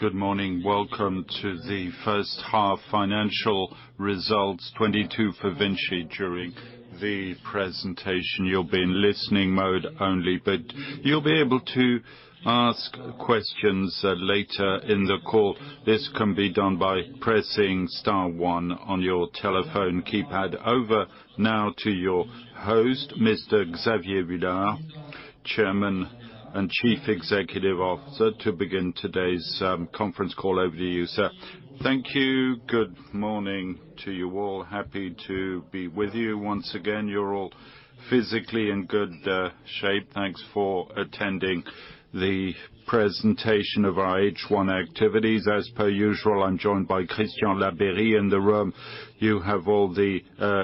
Good morning. Welcome to the first-half financial results 2022 for VINCI. During the presentation, you'll be in listening mode only, but you'll be able to ask questions later in the call. This can be done by pressing star one on your telephone keypad. Over now to your host, Mr. Xavier Huillard, Chairman and Chief Executive Officer to begin today's conference call. Over to you, sir. Thank you. Good morning to you all. Happy to be with you once again. You're all physically in good shape. Thanks for attending the presentation of our H1 activities. As per usual, I'm joined by Christian Labeyrie in the room. You have all the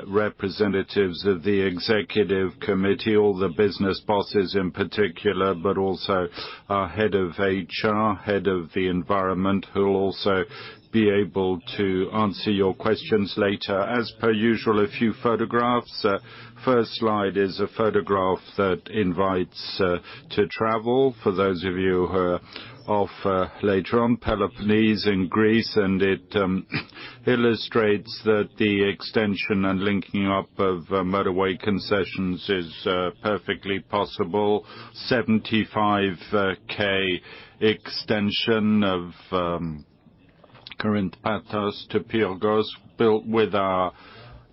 representatives of the executive committee, all the business bosses in particular, but also our head of HR, head of the environment, who'll also be able to answer your questions later. As per usual, a few photographs. First slide is a photograph that invites to travel for those of you who are off later on, Peloponnese in Greece. It illustrates that the extension and linking up of motorway concessions is perfectly possible. 75 km extension of Corinth-Patras to Pyrgos, built with our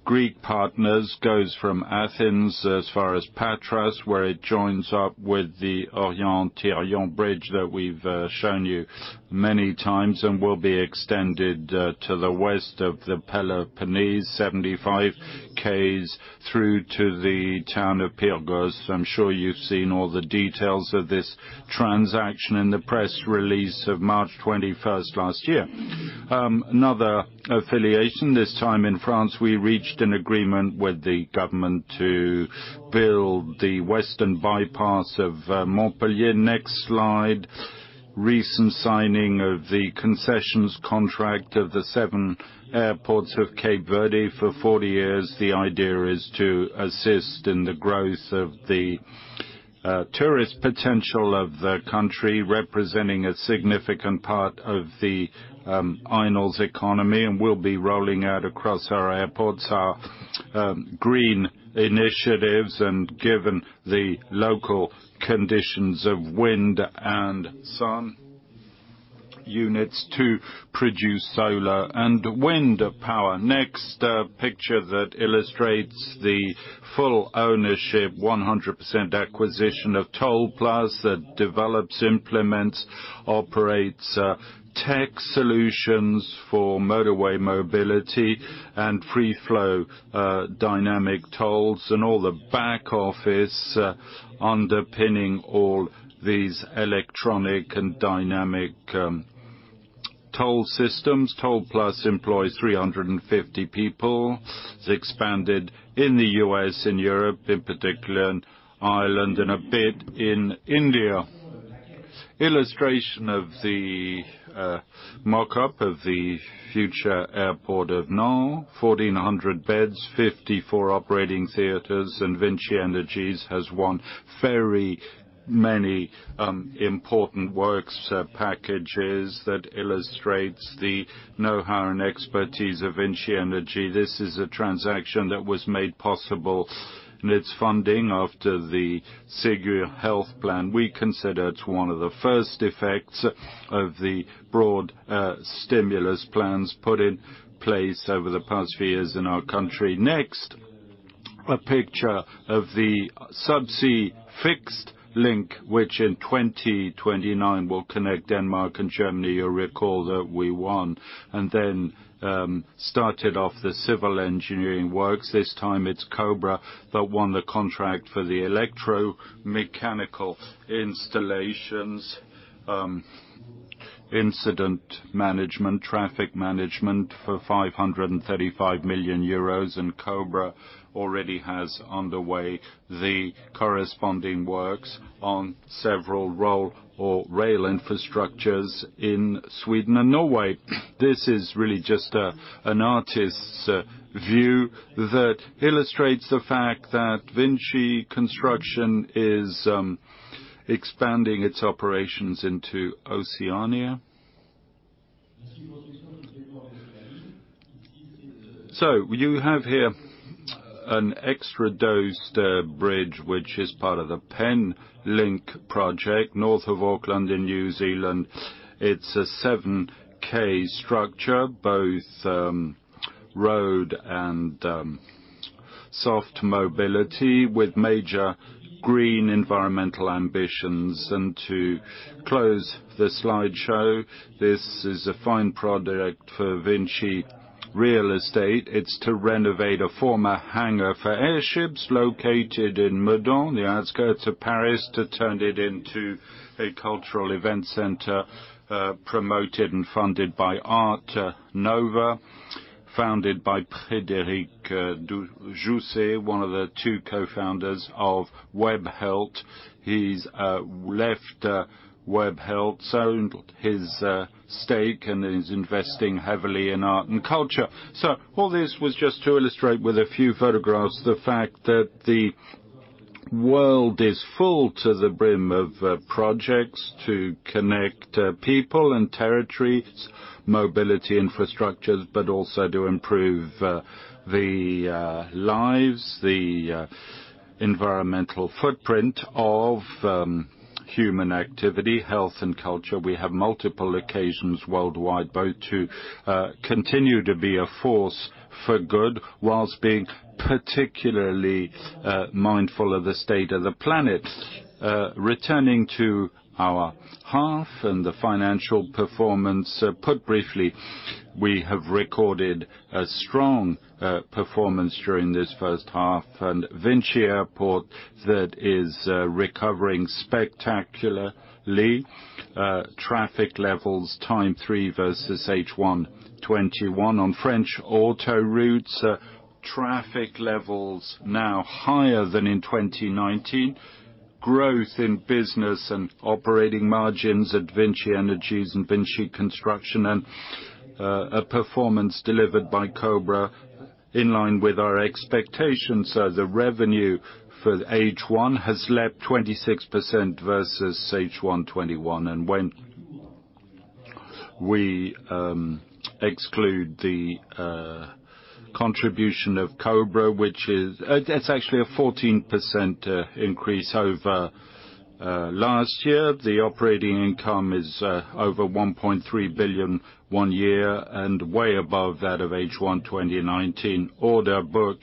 Greek partners, goes from Athens as far as Patras, where it joins up with the Rio-Antirrio bridge that we've shown you many times and will be extended to the west of the Peloponnese, 75 km through to the town of Pyrgos. I'm sure you've seen all the details of this transaction in the press release of March 21st last year. Another affiliation, this time in France, we reached an agreement with the government to build the western bypass of Montpellier. Next slide. Recent signing of the concessions contract of the seven airports of Cape Verde for 40 years. The idea is to assist in the growth of the tourist potential of the country, representing a significant part of the islands economy, and we'll be rolling out across our airports our green initiatives, and given the local conditions of wind and sun, units to produce solar and wind power. Next, a picture that illustrates the full ownership, 100% acquisition of TollPlus that develops, implements, operates tech solutions for motorway mobility and free-flow dynamic tolls and all the back office underpinning all these electronic and dynamic toll systems. TollPlus employs 350 people. It's expanded in the U.S., in Europe, in particular, and Ireland, and a bit in India. Illustration of the mock-up of the future Airport of Nantes, 1,400 beds, 54 operating theaters, and VINCI Energies has won very many important works packages that illustrates the know-how and expertise of VINCI Energies. This is a transaction that was made possible in its funding after the Ségur health plan. We consider it one of the first effects of the broad stimulus plans put in place over the past few years in our country. Next, a picture of the sub-sea fixed link, which in 2029 will connect Denmark and Germany. You'll recall that we won. Started off the civil engineering works. This time it's Cobra IS that won the contract for the electromechanical installations, incident management, traffic management for 535 million euros. Cobra IS already has underway the corresponding works on several road or rail infrastructures in Sweden and Norway. This is really just an artist's view that illustrates the fact that VINCI Construction is expanding its operations into Oceania. You have here an extradosed bridge, which is part of the Penlink project, north of Auckland in New Zealand. It's a 7 km structure, both road and soft mobility with major green environmental ambitions. To close the slideshow, this is a fine project for VINCI Real Estate. It's to renovate a former hangar for airships located in Meudon, the outskirts of Paris, to turn it into a cultural event center, promoted and funded by ArtNova, founded by Frédéric Jousset, one of the two co-founders of Webhelp. He's left Webhelp, sold his stake, and is investing heavily in art and culture. All this was just to illustrate with a few photographs the fact that the world is full to the brim of projects to connect people and territories, mobility infrastructures, but also to improve the lives, the environmental footprint of human activity, health and culture. We have multiple occasions worldwide both to continue to be a force for good whilst being particularly mindful of the state of the planet. Returning to our half and the financial performance, put briefly, we have recorded a strong performance during this first half. VINCI Airports that is recovering spectacularly. Traffic levels times three versus H1 2021. On French autoroutes, traffic levels now higher than in 2019. Growth in business and operating margins at VINCI Energies and VINCI Construction, and a performance delivered by Cobra IS in line with our expectations. The revenue for H1 has leaped 26% versus H1 2021. When we exclude the contribution of Cobra IS, it's actually a 14% increase over last year. The operating income is over 1.3 billion one year, and way above that of H1 2019. Order book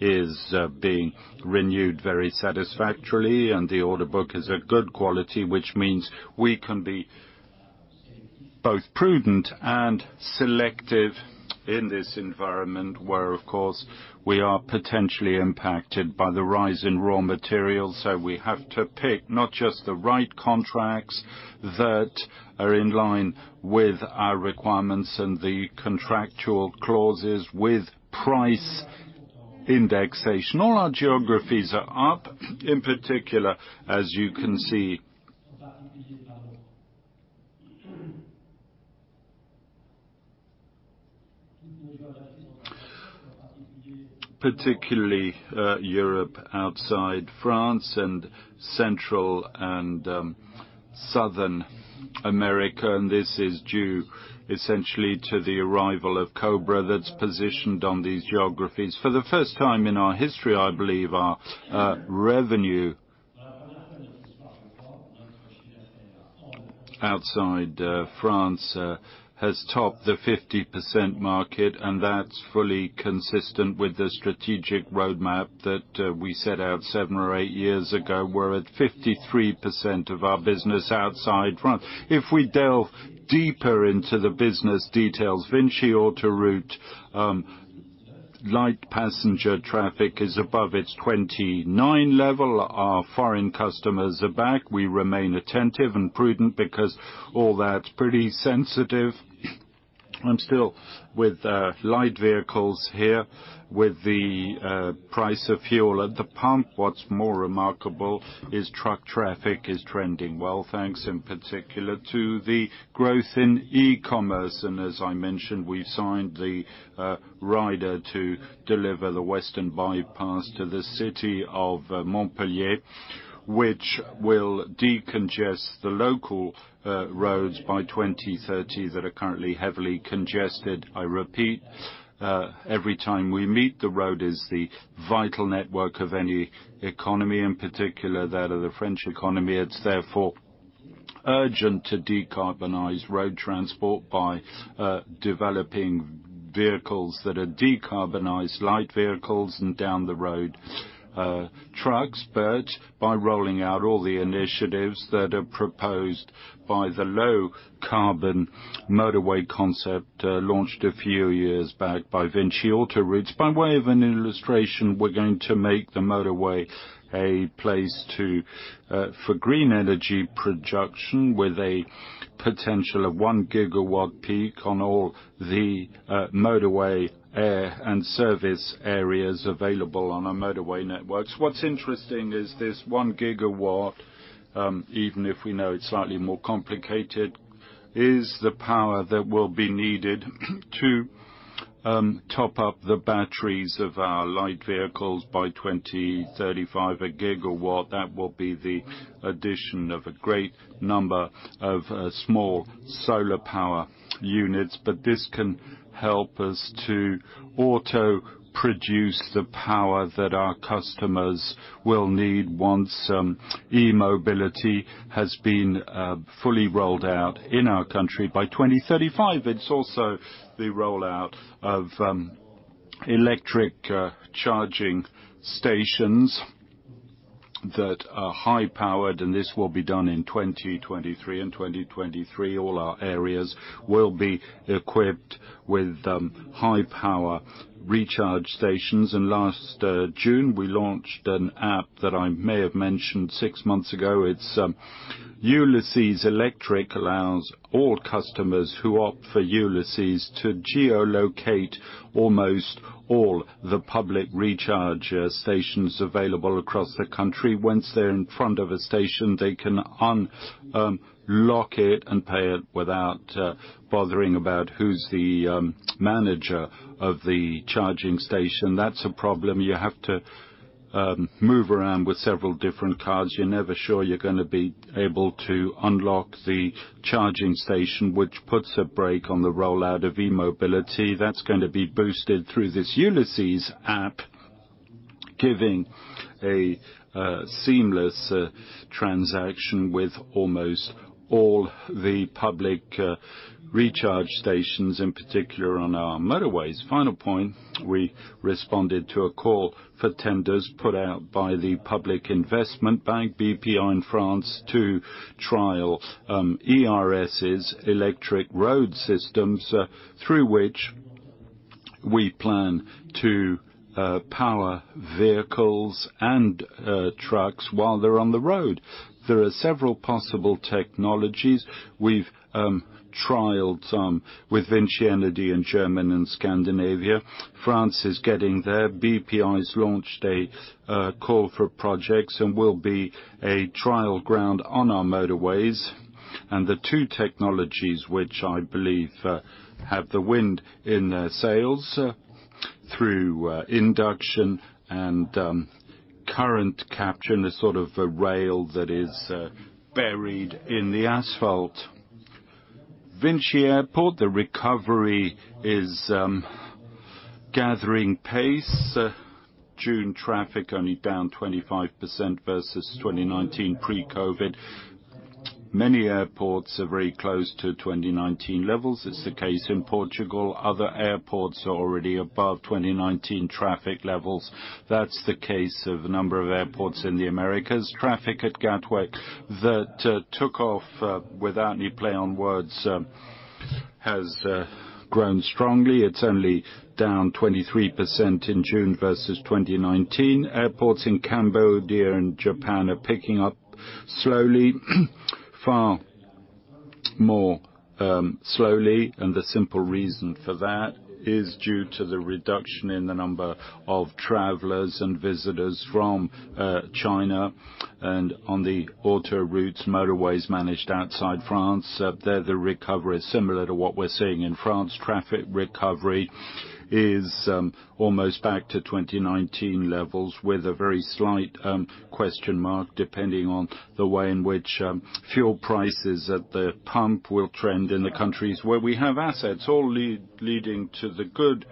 is being renewed very satisfactorily, and the order book is a good quality, which means we can be both prudent and selective in this environment where, of course, we are potentially impacted by the rise in raw materials. We have to pick not just the right contracts that are in line with our requirements and the contractual clauses with price indexation. All our geographies are up, in particular, as you can see. Particularly, Europe outside France and Central and Southern America, and this is due essentially to the arrival of Cobra IS that's positioned on these geographies. For the first time in our history, I believe, our revenue outside France has topped the 50% mark, and that's fully consistent with the strategic roadmap that we set out seven or eight years ago. We're at 53% of our business outside France. If we delve deeper into the business details, VINCI Autoroutes light passenger traffic is above its 29 level. Our foreign customers are back. We remain attentive and prudent because all that's pretty sensitive. I'm still with light vehicles here with the price of fuel at the pump. What's more remarkable is truck traffic is trending well, thanks in particular to the growth in e-commerce. As I mentioned, we've signed the rider to deliver the western bypass to the city of Montpellier, which will decongest the local roads by 2030 that are currently heavily congested. I repeat every time we meet, the road is the vital network of any economy, in particular, that of the French economy. It's therefore urgent to decarbonize road transport by developing vehicles that are decarbonized light vehicles and down the road, trucks. By rolling out all the initiatives that are proposed by the low-carbon motorway concept, launched a few years back by VINCI Autoroutes. By way of an illustration, we're going to make the motorway a place for green energy production with a potential of 1 GW peak on all the motorway and service areas available on our motorway networks. What's interesting is this 1 GW, even if we know it's slightly more complicated, is the power that will be needed to top up the batteries of our light vehicles by 2035. 1 GW, that will be the addition of a great number of small solar power units. This can help us to auto produce the power that our customers will need once e-mobility has been fully rolled out in our country by 2035. It's also the rollout of electric charging stations that are high-powered, and this will be done in 2023. In 2023, all our areas will be equipped with high power recharge stations. Last June, we launched an app that I may have mentioned six months ago. It's Ulys Electric allows all customers who opt for Ulys to geolocate almost all the public recharge stations available across the country. Once they're in front of a station, they can unlock it and pay it without bothering about who's the manager of the charging station. That's a problem. You have to move around with several different cars. You're never sure you're gonna be able to unlock the charging station, which puts a brake on the rollout of e-mobility. That's gonna be boosted through this Ulys app, giving a seamless transaction with almost all the public recharge stations, in particular on our motorways. Final point, we responded to a call for tenders put out by the public investment bank, Bpifrance in France, to trial ERSs, electric road systems, through which we plan to power vehicles and trucks while they're on the road. There are several possible technologies. We've trialed some with VINCI Energies in Germany and Scandinavia. France is getting there. Bpifrance's launched a call for projects and will be a trial ground on our motorways. The two technologies which I believe have the wind in their sails through induction and current capture in a sort of a rail that is buried in the asphalt. VINCI Airports, the recovery is gathering pace. June traffic only down 25% versus 2019 pre-COVID. Many airports are very close to 2019 levels. It's the case in Portugal. Other airports are already above 2019 traffic levels. That's the case of a number of airports in the Americas. Traffic at Gatwick that took off without any play on words has grown strongly. It's only down 23% in June versus 2019. Airports in Cambodia and Japan are picking up slowly, far more slowly, and the simple reason for that is due to the reduction in the number of travelers and visitors from China. On the autoroutes, motorways managed outside France, the recovery is similar to what we're seeing in France. Traffic recovery is almost back to 2019 levels with a very slight question mark, depending on the way in which fuel prices at the pump will trend in the countries where we have assets, all leading to the good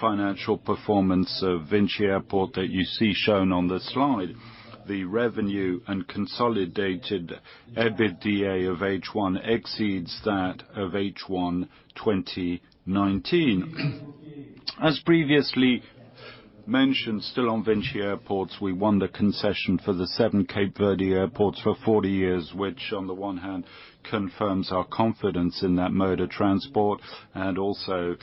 financial performance of VINCI Airports that you see shown on the slide. The revenue and consolidated EBITDA of H1 exceeds that of H1 2019. As previously mentioned, still on VINCI Airports, we won the concession for the seven Cape Verde airports for 40 years, which on the one hand confirms our confidence in that mode of transport and also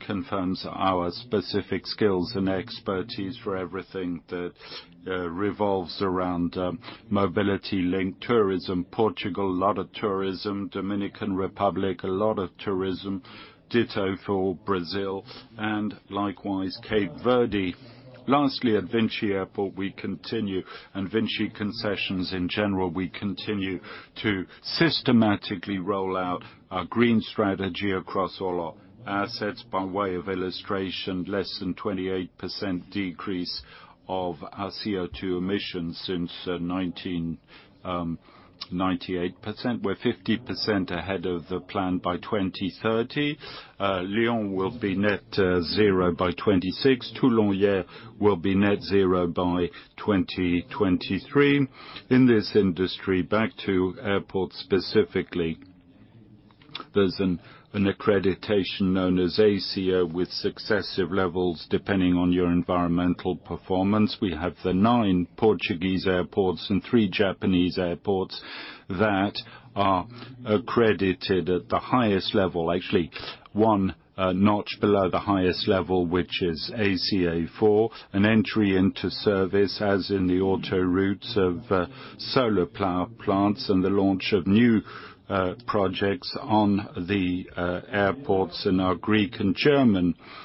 confirms our specific skills and expertise for everything that revolves around mobility linked tourism. Portugal, a lot of tourism. Dominican Republic, a lot of tourism. Ditto for Brazil and likewise, Cape Verde. Lastly, at VINCI Airports, we continue, and VINCI Concessions in general, we continue to systematically roll out our green strategy across all our assets. By way of illustration, less than 28% decrease of our CO2 emissions since 1998. We're 50% ahead of the plan by 2030. Lyon will be net zero by 2026. Toulon will be net zero by 2023. In this industry, back to airports specifically, there's an accreditation known as ACA with successive levels, depending on your environmental performance. We have the nine Portuguese airports and three Japanese airports that are accredited at the highest level. Actually, one notch below the highest level, which is ACA 4, an entry into service, as in the autoroutes of solar power plants and the launch of new projects on the airports in our Greek and German markets.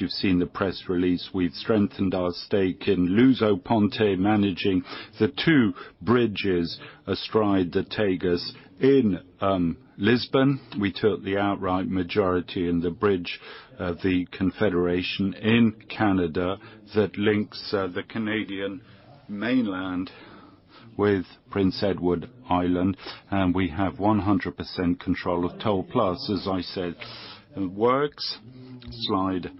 You've seen the press release. We've strengthened our stake in Lusoponte, managing the two bridges astride the Tagus. In Lisbon, we took the outright majority in the Confederation Bridge in Canada that links the Canadian mainland with Prince Edward Island. We have 100% control of TollPlus, as I said. Works, slide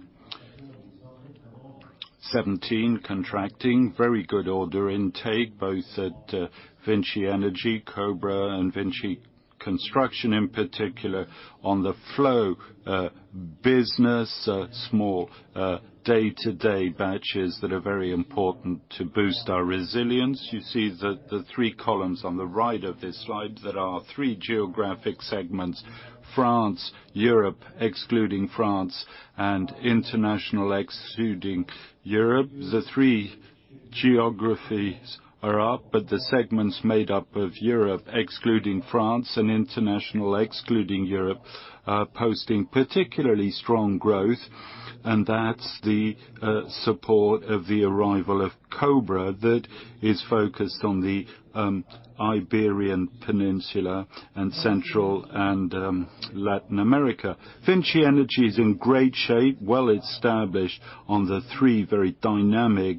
17, contracting. Very good order intake, both at VINCI Energies, Cobra IS and VINCI Construction in particular. On the flow business, small day-to-day batches that are very important to boost our resilience. You see the three columns on the right of this slide that are three geographic segments, France, Europe, excluding France, and international excluding Europe. The three geographies are up, but the segments made up of Europe, excluding France and international, excluding Europe, are posting particularly strong growth. That's the support of the arrival of Cobra IS that is focused on the Iberian Peninsula and Central and Latin America. VINCI Energies is in great shape, well-established on the three very dynamic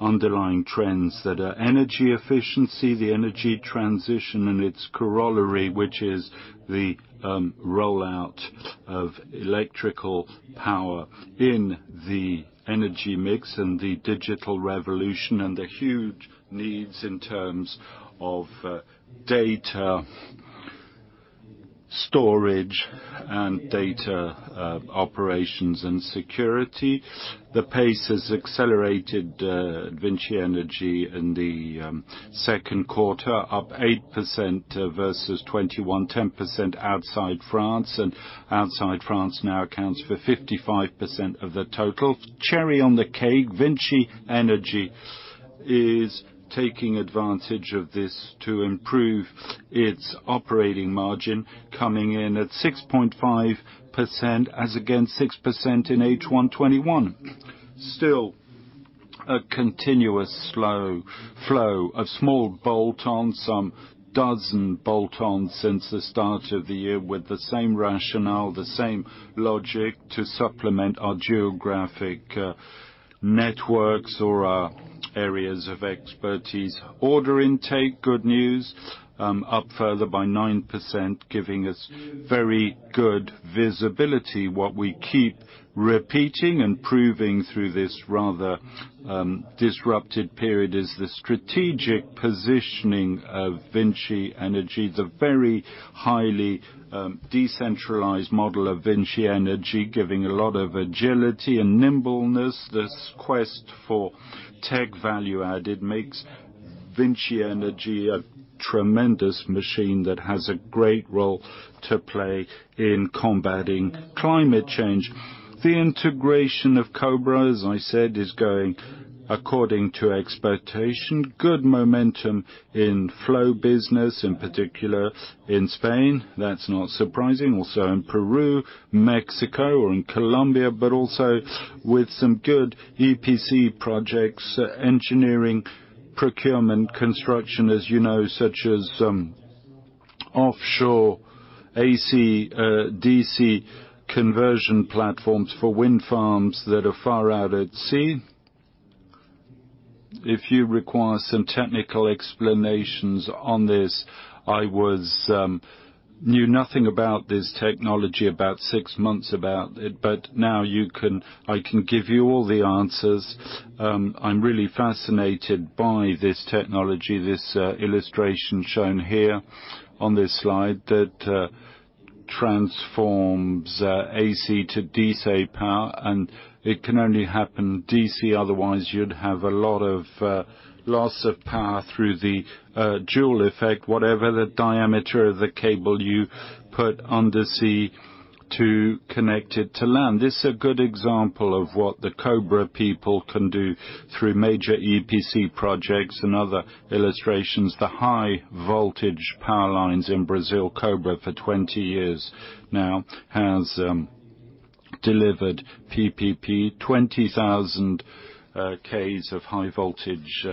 underlying trends that are energy efficiency, the energy transition, and its corollary, which is the rollout of electrical power in the energy mix, and the digital revolution, and the huge needs in terms of data storage and data operations and security. The pace has accelerated, VINCI Energies in the second quarter, up 8% versus 2021, 10% outside France. Outside France now accounts for 55% of the total. Cherry on the cake, VINCI Energies is taking advantage of this to improve its operating margin, coming in at 6.5% as against 6% in H1 2021. Still a continuous slow flow of small bolt-ons, some dozen bolt-ons since the start of the year with the same rationale, the same logic to supplement our geographic networks or our areas of expertise. Order intake, good news, up further by 9%, giving us very good visibility. What we keep repeating and proving through this rather disrupted period is the strategic positioning of VINCI Energies, the very highly decentralized model of VINCI Energies, giving a lot of agility and nimbleness. This quest for tech value add, it makes VINCI Energies a tremendous machine that has a great role to play in combating climate change. The integration of Cobra IS, as I said, is going according to expectation. Good momentum in flow business, in particular in Spain. That's not surprising. Also in Peru, Mexico, or in Colombia, but also with some good EPC projects, engineering, procurement, construction, as you know, such as offshore AC, DC conversion platforms for wind farms that are far out at sea. If you require some technical explanations on this, I knew nothing about this technology about six months ago about it, but now I can give you all the answers. I'm really fascinated by this technology, this illustration shown here on this slide that transforms AC to DC power, and it can only happen DC, otherwise you'd have a lot of loss of power through the Joule effect, whatever the diameter of the cable you put undersea to connect it to land. This is a good example of what the Cobra IS people can do through major EPC projects and other illustrations. The high voltage power lines in Brazil, Cobra IS for 20 years now has delivered PPP, 20,000 km of high voltage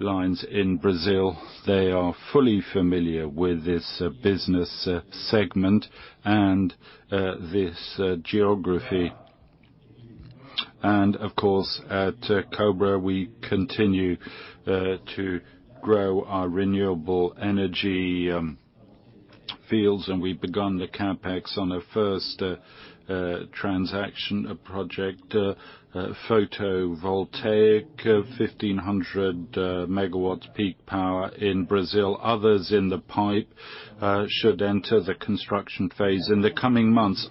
lines in Brazil. They are fully familiar with this business segment and this geography. Of course, at Cobra IS, we continue to grow our renewable energy fields, and we've begun the CapEx on a first transaction, a project, photovoltaic, 1,500 MW peak power in Brazil. Others in the pipe should enter the construction phase in the coming months.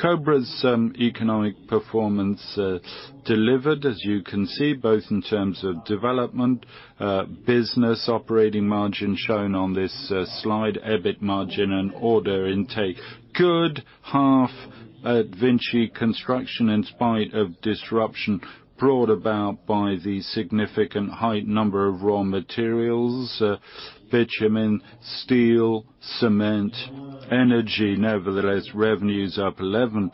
Cobra IS's economic performance delivered, as you can see, both in terms of development, business operating margin shown on this slide, EBIT margin and order intake. Good half at VINCI Construction in spite of disruption brought about by the significant high number of raw materials, bitumen, steel, cement, energy. Nevertheless, revenues up 11%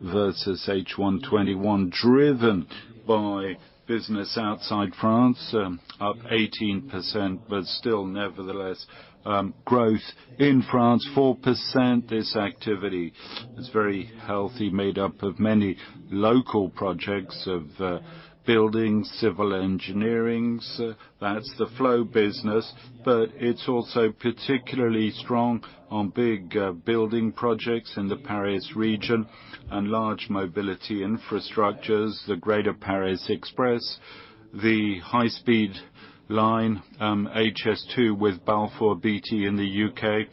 versus H1 2021, driven by business outside France, up 18%, but still nevertheless, growth in France, 4%. This activity is very healthy, made up of many local projects of building civil engineering. That's the flow business, but it's also particularly strong on big building projects in the Paris region and large mobility infrastructures, the Grand Paris Express, the high-speed line, HS2 with Balfour Beatty in the U.K.,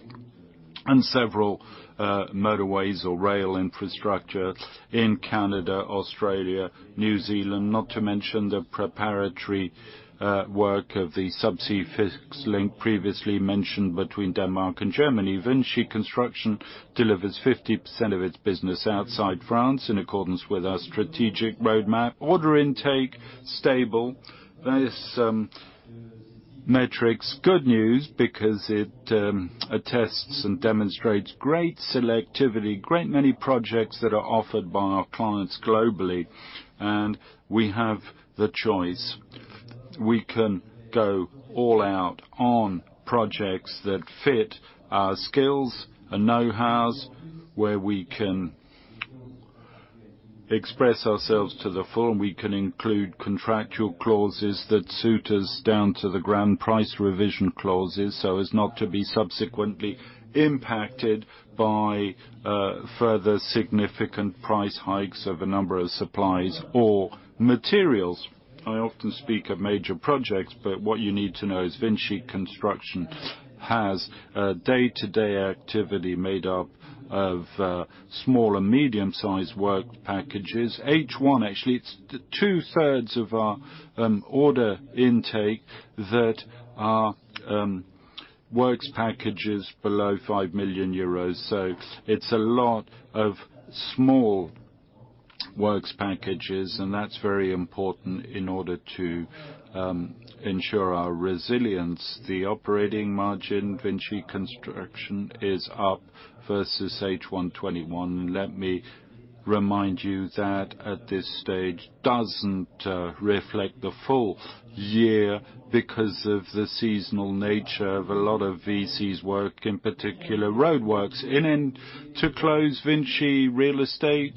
and several motorways or rail infrastructure in Canada, Australia, New Zealand. Not to mention the preparatory work of the subsea fixed link previously mentioned between Denmark and Germany. VINCI Construction delivers 50% of its business outside France in accordance with our strategic roadmap. Order intake stable. This metrics. Good news because it attests and demonstrates great selectivity, great many projects that are offered by our clients globally, and we have the choice. We can go all out on projects that fit our skills and know-hows, where we can express ourselves to the full. We can include contractual clauses that suit us down to the ground, price revision clauses, so as not to be subsequently impacted by further significant price hikes of a number of supplies or materials. I often speak of major projects, but what you need to know is VINCI Construction has a day-to-day activity made up of small and medium-sized work packages. H1, actually, it's 2/3 of our order intake that are works packages below 5 million euros. It's a lot of small works packages, and that's very important in order to ensure our resilience. The operating margin, VINCI Construction, is up versus H1 2021. Let me remind you that at this stage doesn't reflect the full year because of the seasonal nature of a lot of VC's work, in particular, roadworks. To close, VINCI Immobilier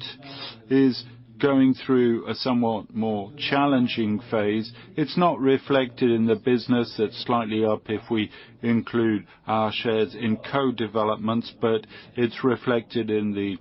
is going through a somewhat more challenging phase. It's not reflected in the business. It's slightly up if we include our shares in co-developments, but it's reflected in the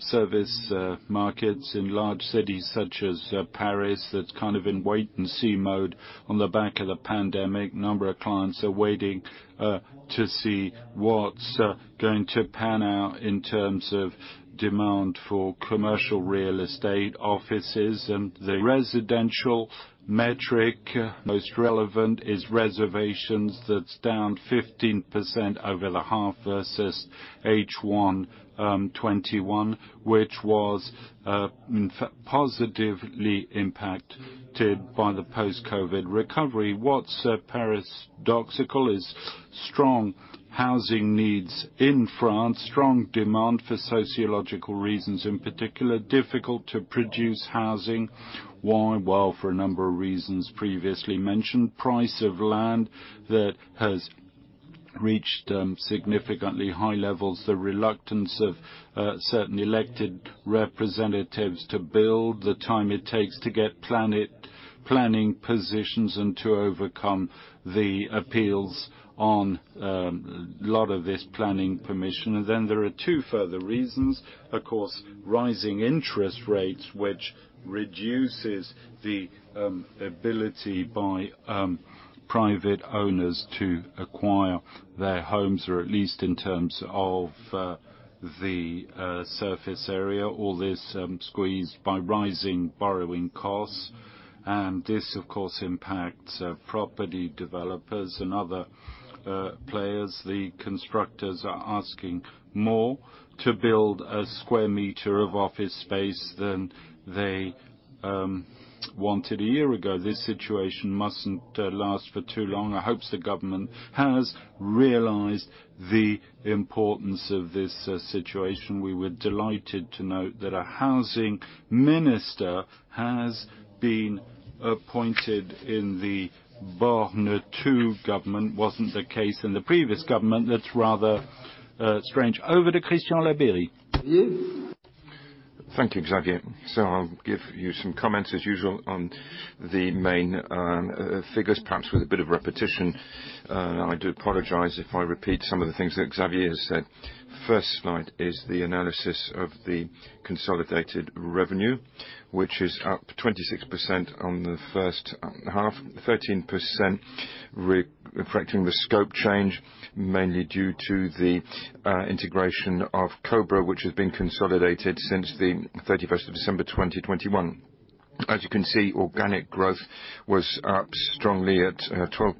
service markets in large cities such as Paris, that's kind of in wait-and-see mode on the back of the pandemic. Number of clients are waiting to see what's going to pan out in terms of demand for commercial real estate offices. The residential metric most relevant is reservations that's down 15% over the half versus H1 2021, which was positively impacted by the post-COVID recovery. What's paradoxical is strong housing needs in France, strong demand for sociological reasons, in particular, difficult to produce housing. Why? Well, for a number of reasons previously mentioned, price of land that has reached significantly high levels, the reluctance of certain elected representatives to build, the time it takes to get planning permissions and to overcome the appeals on a lot of this planning permission. Then there are two further reasons, of course, rising interest rates, which reduces the ability of private owners to acquire their homes, or at least in terms of the surface area, all this squeezed by rising borrowing costs. This, of course, impacts property developers and other players. The constructors are asking more to build a square meter of office space than they wanted a year ago. This situation mustn't last for too long. I hope the government has realized the importance of this situation. We were delighted to note that a housing minister has been appointed in the Borne government. Wasn't the case in the previous government. That's rather strange. Over to Christian Labeyrie. Thank you, Xavier. I'll give you some comments as usual on the main figures, perhaps with a bit of repetition. I do apologize if I repeat some of the things that Xavier has said. First slide is the analysis of the consolidated revenue, which is up 26% on the first half, 13% reflecting the scope change, mainly due to the integration of Cobra IS, which has been consolidated since 31 December 2021. As you can see, organic growth was up strongly at 12%,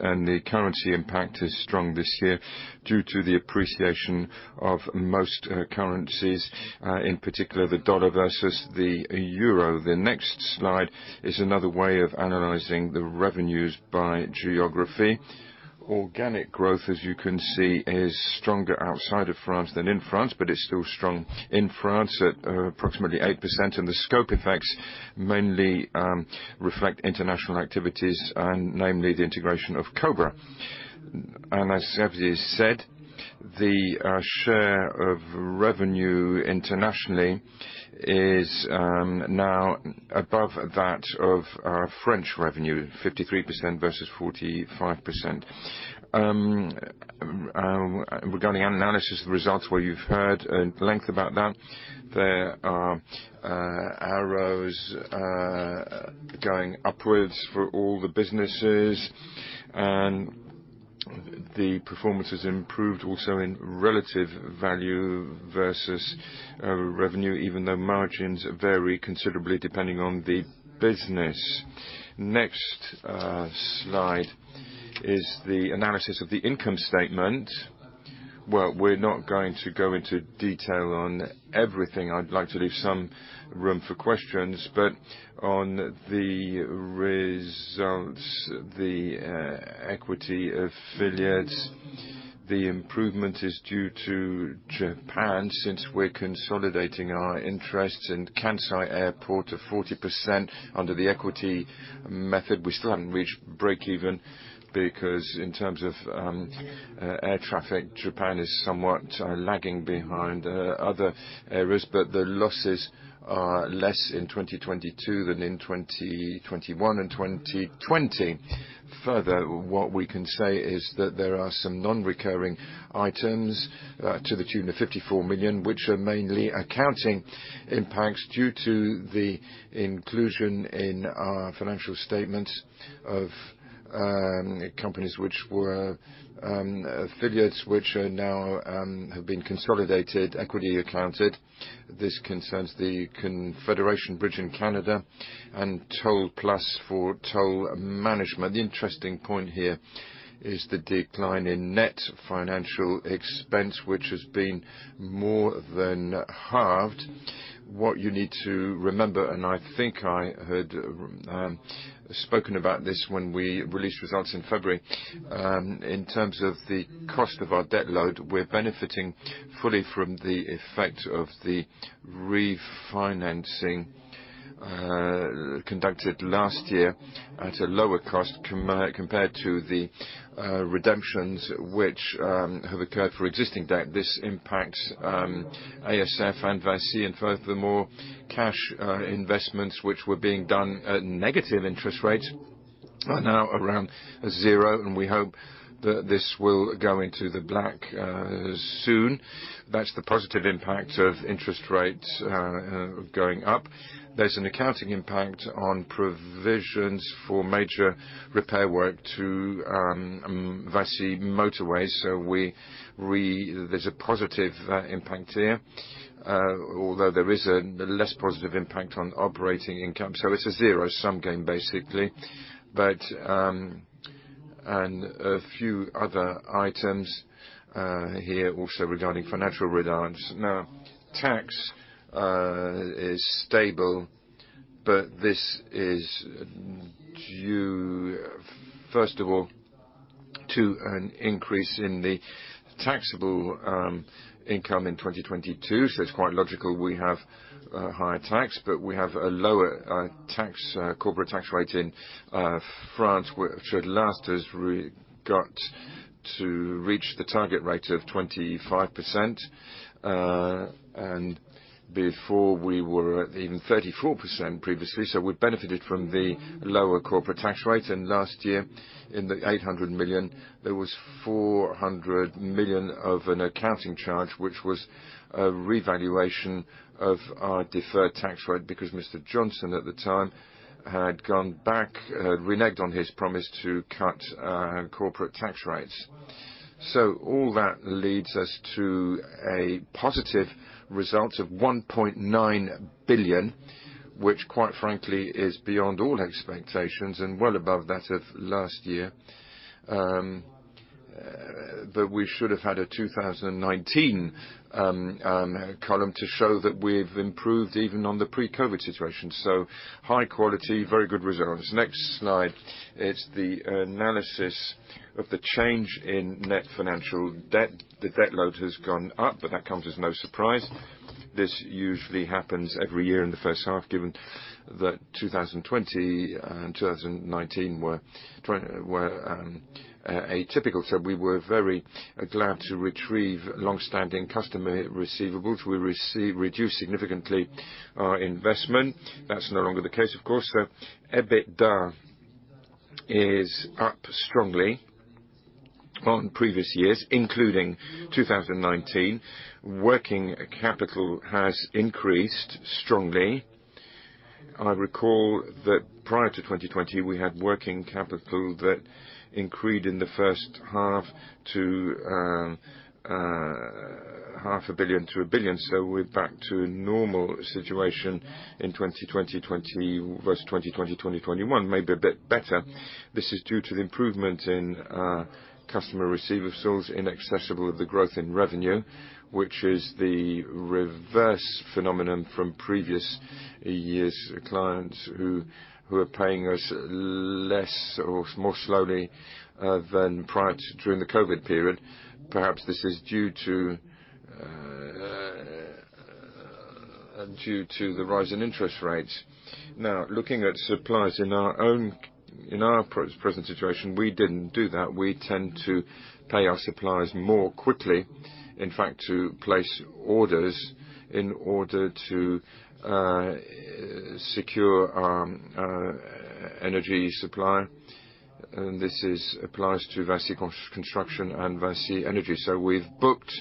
and the currency impact is strong this year due to the appreciation of most currencies, in particular, the dollar versus the euro. The next slide is another way of analyzing the revenues by geography. Organic growth, as you can see, is stronger outside of France than in France, but it's still strong in France at approximately 8%, and the scope effects mainly reflect international activities and namely the integration of Cobra IS. As Xavier said, the share of revenue internationally is now above that of our French revenue, 53% versus 45%. Regarding analysis results, where you've heard at length about that, there are arrows going upwards for all the businesses, and the performance is improved also in relative value versus revenue, even though margins vary considerably depending on the business. Next slide is the analysis of the income statement. Well, we're not going to go into detail on everything. I'd like to leave some room for questions. On the results, equity affiliates, the improvement is due to Japan, since we're consolidating our interests in Kansai Airport to 40% under the equity method. We still haven't reached breakeven, because in terms of air traffic, Japan is somewhat sort of lagging behind other areas. The losses are less in 2022 than in 2021 and 2020. Further, what we can say is that there are some non-recurring items to the tune of 54 million, which are mainly accounting impacts due to the inclusion in our financial statements of companies which were affiliates which are now have been consolidated, equity accounted. This concerns the Confederation Bridge in Canada and TollPlus for toll management. The interesting point here is the decline in net financial expense, which has been more than halved. What you need to remember, and I think I had spoken about this when we released results in February, in terms of the cost of our debt load, we're benefiting fully from the effect of the refinancing conducted last year at a lower cost compared to the redemptions which have occurred for existing debt. This impacts ASF and VINCI. Furthermore, cash investments which were being done at negative interest rates are now around zero, and we hope that this will go into the black soon. That's the positive impact of interest rates going up. There's an accounting impact on provisions for major repair work to VINCI Motorways, so there's a positive impact here, although there is a less positive impact on operating income, so this is zero-sum game, basically. A few other items here also regarding financial results. Now, tax is stable, but this is due, first of all, to an increase in the taxable income in 2022, so it's quite logical we have higher tax. But we have a lower tax corporate tax rate in France, which at last has got to reach the target rate of 25%, and before we were at even 34% previously. So we benefited from the lower corporate tax rate. Last year, in the 800 million, there was 400 million of an accounting charge, which was a revaluation of our deferred tax rate, because Mr. Johnson at the time had gone back reneged on his promise to cut corporate tax rates. All that leads us to a positive result of 1.9 billion, which quite frankly is beyond all expectations and well above that of last year. We should have had a 2019 column to show that we've improved even on the pre-COVID situation. High quality, very good results. Next slide, it's the analysis of the change in net financial debt. The debt load has gone up, but that comes as no surprise. This usually happens every year in the first half, given that 2020 and 2019 were atypical. We were very glad to retrieve longstanding customer receivables. We reduced significantly our investment. That's no longer the case, of course. EBITDA is up strongly on previous years, including 2019. Working capital has increased strongly. I recall that prior to 2020, we had working capital that increased in the first half to 500 million-1 billion, so we're back to normal situation in 2020 versus 2021, maybe a bit better. This is due to the improvement in our customer receivables in excess of the growth in revenue, which is the reverse phenomenon from previous years' clients who are paying us less or more slowly than prior to during the COVID period. Perhaps this is due to the rise in interest rates. Now, looking at suppliers in our present situation, we didn't do that. We tend to pay our suppliers more quickly, in fact, to place orders in order to secure our energy supply, and this applies to VINCI Construction and VINCI Energies. We've booked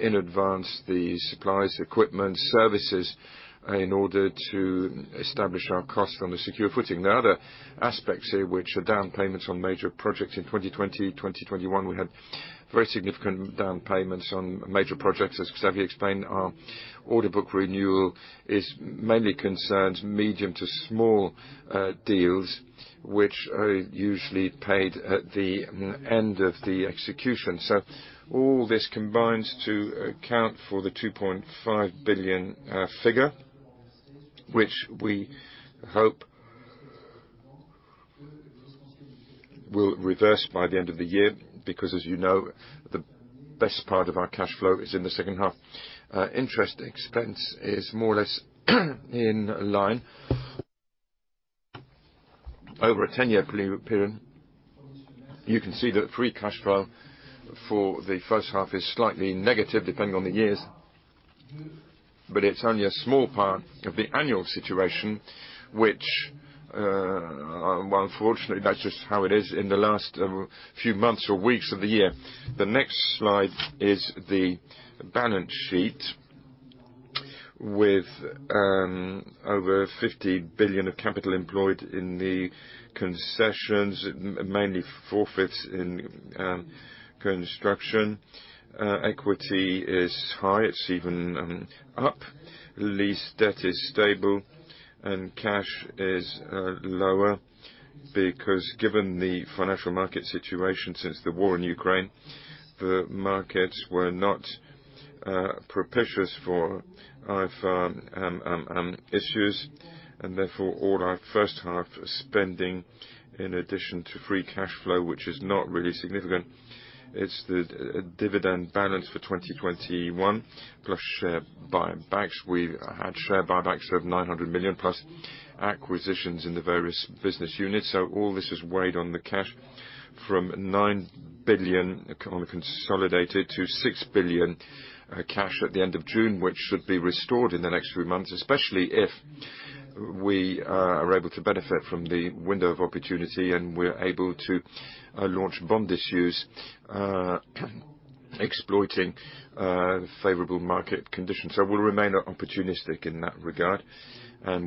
in advance the supplies, equipment, services in order to establish our cost on a secure footing. There are other aspects here which are down payments on major projects. In 2020, 2021, we had very significant down payments on major projects. As Xavier explained, our order book renewal is mainly concerns medium to small deals which are usually paid at the end of the execution. All this combines to account for the 2.5 billion figure. Which we hope will reverse by the end of the year, because as you know, the best part of our cash flow is in the second half. Interest expense is more or less in line. Over a 10-year period, you can see that free cash flow for the first half is slightly negative, depending on the years, but it's only a small part of the annual situation, which, well, unfortunately, that's just how it is in the last few months or weeks of the year. The next slide is the balance sheet with over 50 billion of capital employed in the concessions, mainly in construction. Equity is high. It's even up. Net debt is stable, and cash is lower, because given the financial market situation since the war in Ukraine, the markets were not propitious for issues, and therefore all our first half spending in addition to free cash flow, which is not really significant. It's the dividend balance for 2021, plus share buybacks. We had share buybacks of 900 million plus acquisitions in the various business units. All this is weighed on the cash from 9 billion on a consolidated to 6 billion, cash at the end of June, which should be restored in the next few months, especially if we are able to benefit from the window of opportunity, and we're able to launch bond issues, exploiting favorable market conditions. We'll remain opportunistic in that regard.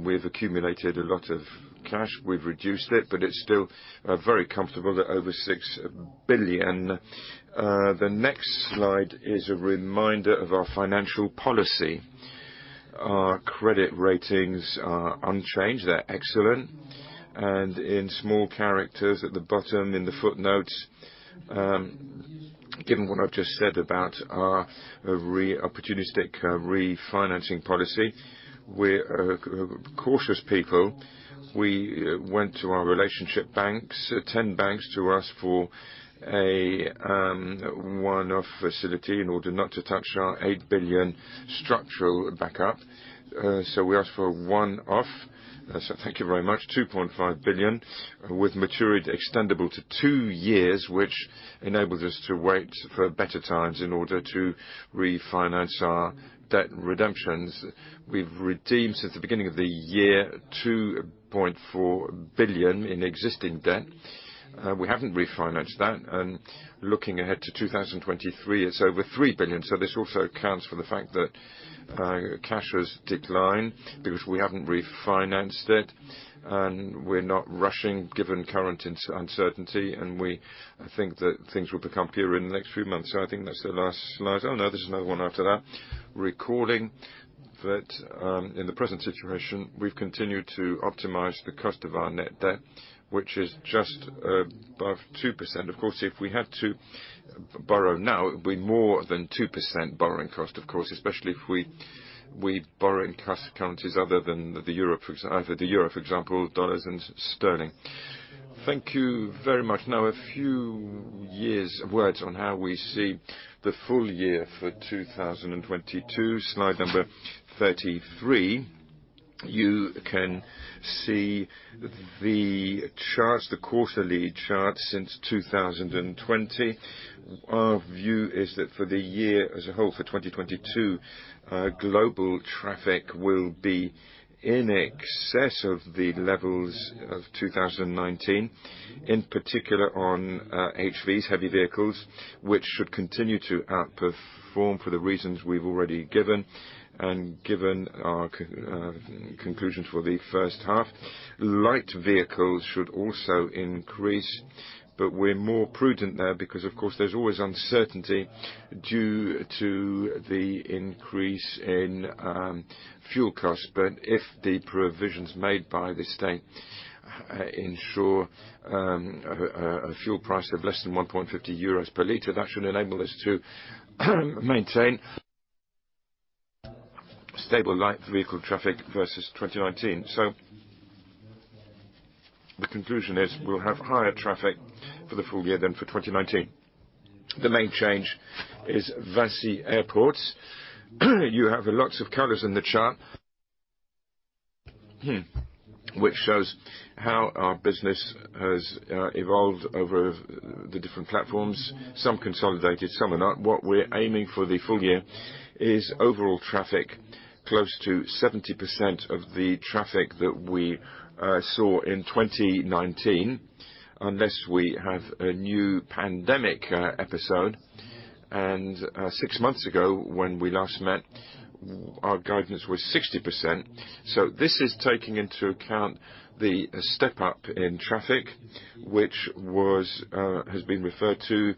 We've accumulated a lot of cash. We've reduced it, but it's still very comfortable at over 6 billion. The next slide is a reminder of our financial policy. Our credit ratings are unchanged. They're excellent. In small characters at the bottom in the footnotes, given what I've just said about our opportunistic refinancing policy, we're cautious people. We went to our relationship banks, 10 banks to ask for a one-off facility in order not to touch our 8 billion structural backup. We asked for a one-off. Thank you very much. 2.5 billion with maturity extendable to two years, which enables us to wait for better times in order to refinance our debt redemptions. We've redeemed since the beginning of the year 2.4 billion in existing debt. We haven't refinanced that. Looking ahead to 2023, it's over 3 billion. This also accounts for the fact that cash has declined because we haven't refinanced it, and we're not rushing given current uncertainty, and we think that things will become clearer in the next few months. I think that's the last slide. Oh, no, there's another one after that. Recalling that, in the present situation, we've continued to optimize the cost of our net debt, which is just above 2%. Of course, if we had to borrow now, it would be more than 2% borrowing cost, of course, especially if we borrow in countries other than Europe, for example, dollars and sterling. Thank you very much. Now, a few words on how we see the full year for 2022, slide number 33. You can see the charts, the quarterly charts since 2020. Our view is that for the year as a whole, for 2022, global traffic will be in excess of the levels of 2019, in particular on HVs, heavy vehicles, which should continue to outperform for the reasons we've already given, and given our conclusions for the first half. Light vehicles should also increase, but we're more prudent there because, of course, there's always uncertainty due to the increase in fuel costs. But if the provisions made by the state ensure a fuel price of less than 1.50 euros per liter, that should enable us to maintain stable light vehicle traffic versus 2019. The conclusion is we'll have higher traffic for the full year than for 2019. The main change is VINCI Airports. You have lots of colors in the chart, which shows how our business has evolved over the different platforms, some consolidated, some are not. What we're aiming for the full year is overall traffic close to 70% of the traffic that we saw in 2019, unless we have a new pandemic episode. Six months ago, when we last met, our guidance was 60%. This is taking into account the step-up in traffic, which has been referred to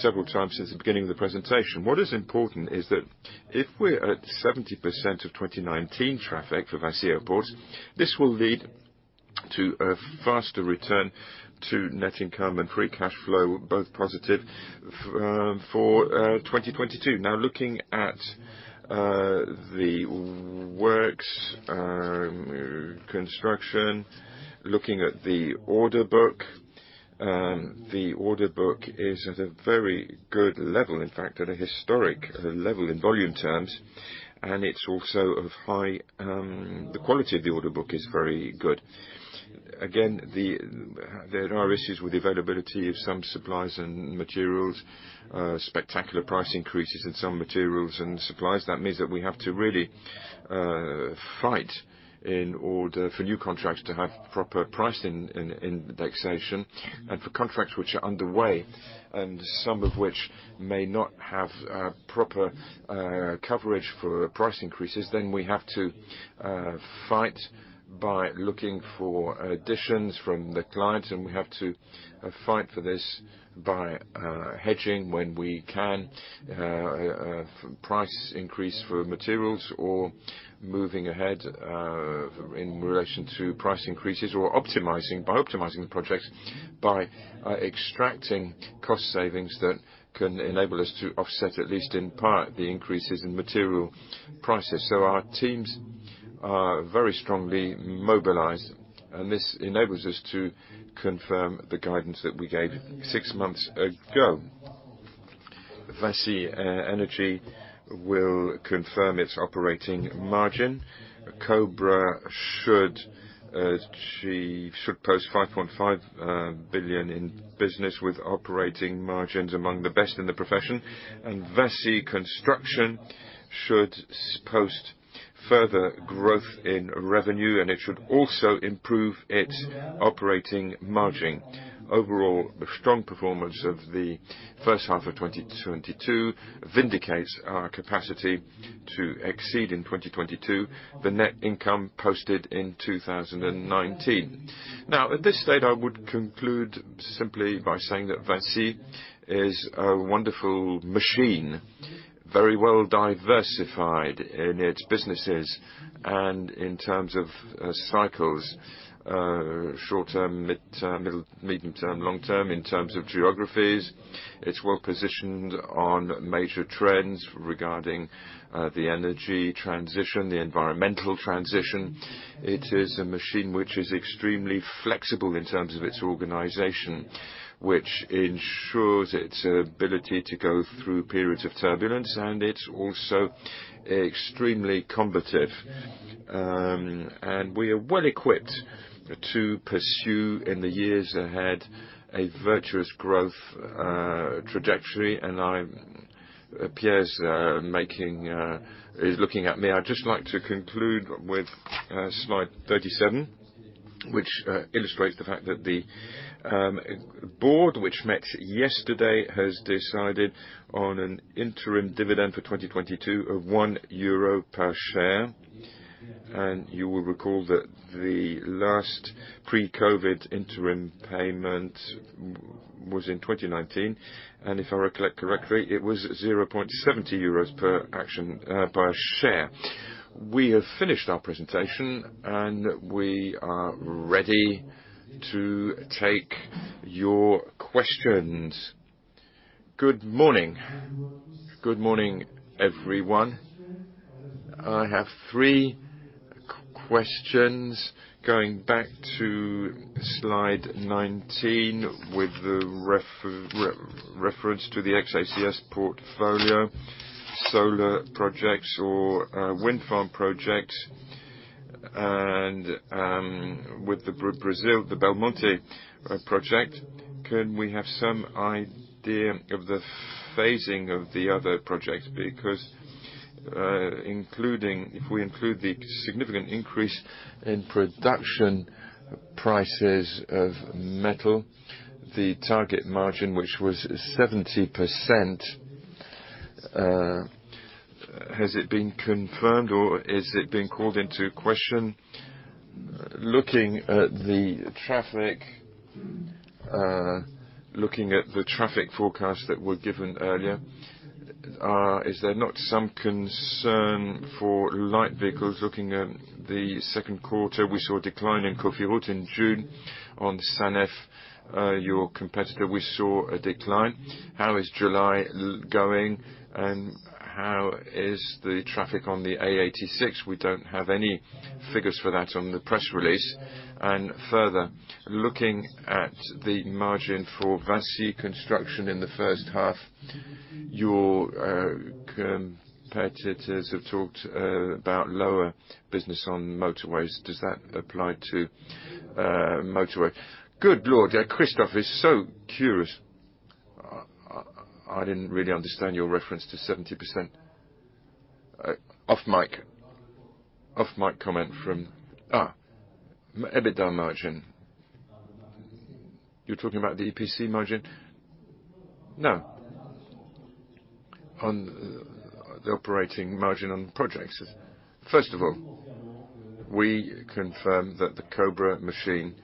several times since the beginning of the presentation. What is important is that if we're at 70% of 2019 traffic for VINCI Airports, this will lead to a faster return to net income and free cash flow, both positive for 2022. Now looking at the works, construction, looking at the order book. The order book is at a very good level, in fact at a historic level in volume terms. The quality of the order book is very good. Again, there are issues with availability of some supplies and materials, spectacular price increases in some materials and supplies. That means that we have to really fight in order for new contracts to have proper price in the indexation. For contracts which are underway, and some of which may not have proper coverage for price increases, then we have to fight by looking for additions from the clients, and we have to fight for this by hedging when we can, price increase for materials or moving ahead in relation to price increases or optimizing the projects by extracting cost savings that can enable us to offset, at least in part, the increases in material prices. Our teams are very strongly mobilized, and this enables us to confirm the guidance that we gave six months ago. VINCI Energies will confirm its operating margin. Cobra IS should post 5.5 billion in business with operating margins among the best in the profession. VINCI Construction should post further growth in revenue, and it should also improve its operating margin. Overall, the strong performance of the first half of 2022 vindicates our capacity to exceed in 2022 the net income posted in 2019. Now, at this stage, I would conclude simply by saying that VINCI is a wonderful machine, very well diversified in its businesses and in terms of cycles, short-term, mid-term, medium-term, long-term. In terms of geographies, it's well positioned on major trends regarding the energy transition, the environmental transition. It is a machine which is extremely flexible in terms of its organization, which ensures its ability to go through periods of turbulence, and it's also extremely combative. We are well equipped to pursue, in the years ahead, a virtuous growth trajectory. Pierre is looking at me. I'd just like to conclude with slide 37, which illustrates the fact that the board, which met yesterday, has decided on an interim dividend for 2022 of 1 euro per share. You will recall that the last pre-COVID interim payment was in 2019, and if I recollect correctly, it was 0.70 euros per share. We have finished our presentation, and we are ready to take your questions. Good morning. Good morning, everyone. I have three questions. Going back to slide 19 with the reference to the ex-ACS portfolio, solar projects or wind farm projects and with the Brazil, the Belmonte project. Can we have some idea of the phasing of the other projects? Because including, if we include the significant increase in production prices of metal, the target margin, which was 70%, has it been confirmed, or has it been called into question? Looking at the traffic, looking at the traffic forecasts that were given earlier, is there not some concern for light vehicles? Looking at the second quarter, we saw a decline in Cofiroute. In June, on SANEF, your competitor, we saw a decline. How is July going, and how is the traffic on the A86? We don't have any figures for that on the press release. Further, looking at the margin for VINCI Construction in the first half, your competitors have talked about lower business on motorways. Does that apply to motorway? Good Lord, yeah. Christophe is so curious. I didn't really understand your reference to 70%. EBITDA margin. You're talking about the EPC margin? No. On the operating margin on projects. First of all, we confirm that the Cobra IS machine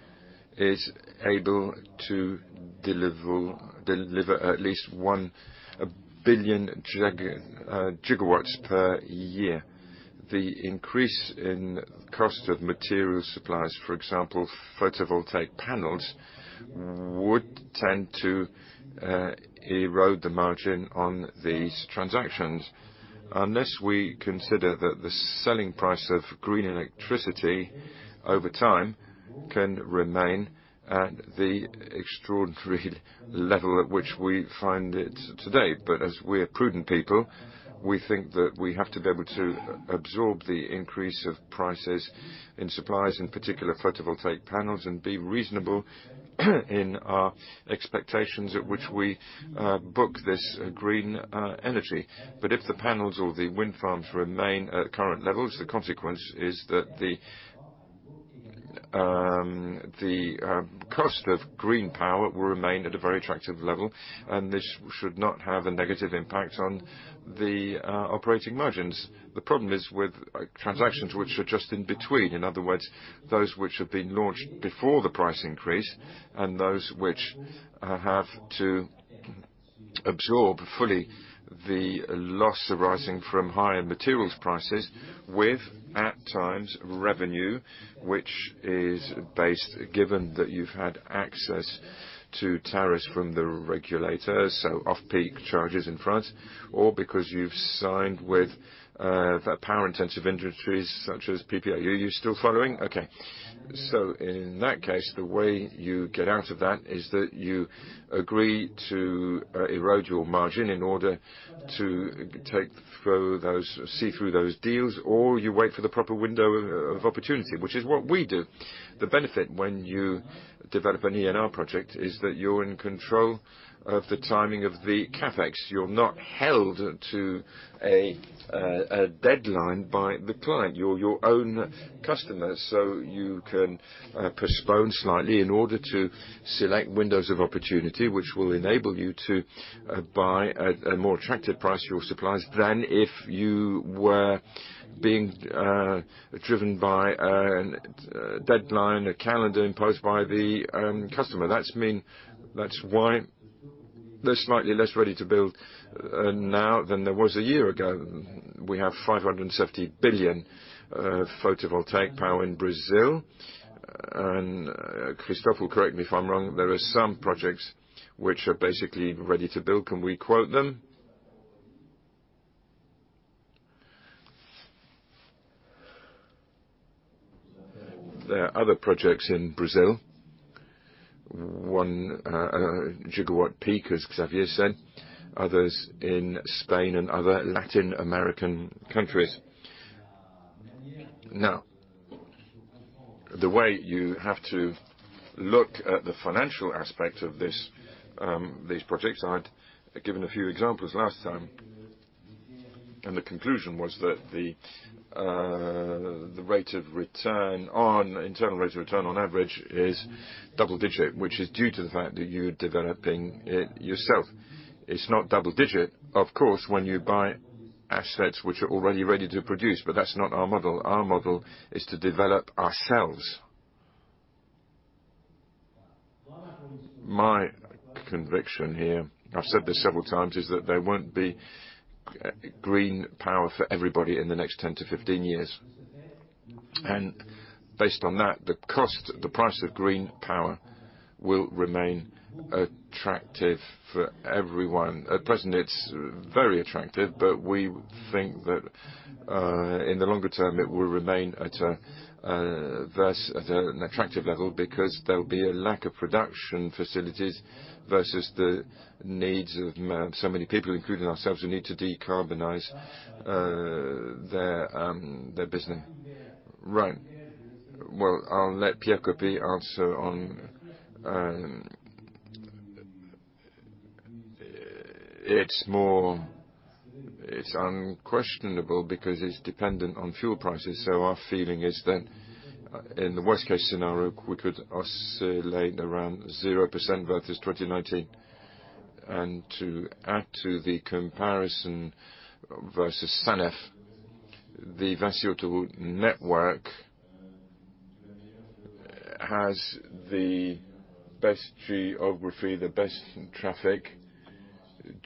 is able to deliver at least 1 billion GW per year. The increase in cost of material supplies, for example, photovoltaic panels, would tend to erode the margin on these transactions. Unless we consider that the selling price of green electricity over time can remain at the extraordinary level at which we find it today. As we're prudent people, we think that we have to be able to absorb the increase of prices in supplies, in particular photovoltaic panels, and be reasonable in our expectations at which we book this green energy. If the panels or the wind farms remain at current levels, the consequence is that the cost of green power will remain at a very attractive level, and this should not have a negative impact on the operating margins. The problem is with transactions which are just in between. In other words, those which have been launched before the price increase and those which have to absorb fully the loss arising from higher materials prices with, at times, revenue, which is based, given that you've had access to tariffs from the regulators, so off-peak charges in France, or because you've signed with the power-intensive industries such as BPI. Are you still following? Okay. In that case, the way you get out of that is that you agree to erode your margin in order to see through those deals, or you wait for the proper window of opportunity, which is what we do. The benefit when you develop an ENR project is that you're in control of the timing of the CapEx. You're not held to a deadline by the client. You're your own customer, so you can postpone slightly in order to select windows of opportunity, which will enable you to buy at a more attractive price your supplies than if you were being driven by a deadline, a calendar imposed by the customer. That's why they're slightly less ready to build now than there was a year ago. We have 570 billion photovoltaic power in Brazil. Christophe will correct me if I'm wrong, there are some projects which are basically ready to build. Can we quote them? There are other projects in Brazil, 1 gigawatt peak, as Xavier said, others in Spain and other Latin American countries. Now, the way you have to look at the financial aspect of this these projects, I'd given a few examples last time, and the conclusion was that the internal rate of return on average is double digit, which is due to the fact that you're developing it yourself. It's not double digit, of course, when you buy assets which are already ready to produce, but that's not our model. Our model is to develop ourselves. My conviction here, I've said this several times, is that there won't be green power for everybody in the next 10-15 years. Based on that, the cost, the price of green power will remain attractive for everyone. At present, it's very attractive, but we think that, in the longer term, it will remain at an attractive level because there'll be a lack of production facilities versus the needs of so many people, including ourselves, who need to decarbonize their business. Right. Well, I'll let Pierre Coppey answer on. It's unquestionable because it's dependent on fuel prices, so our feeling is that in the worst-case scenario, we could oscillate around 0% versus 2019. To add to the comparison versus SANEF, the VINCI Autoroutes network has the best geography, the best traffic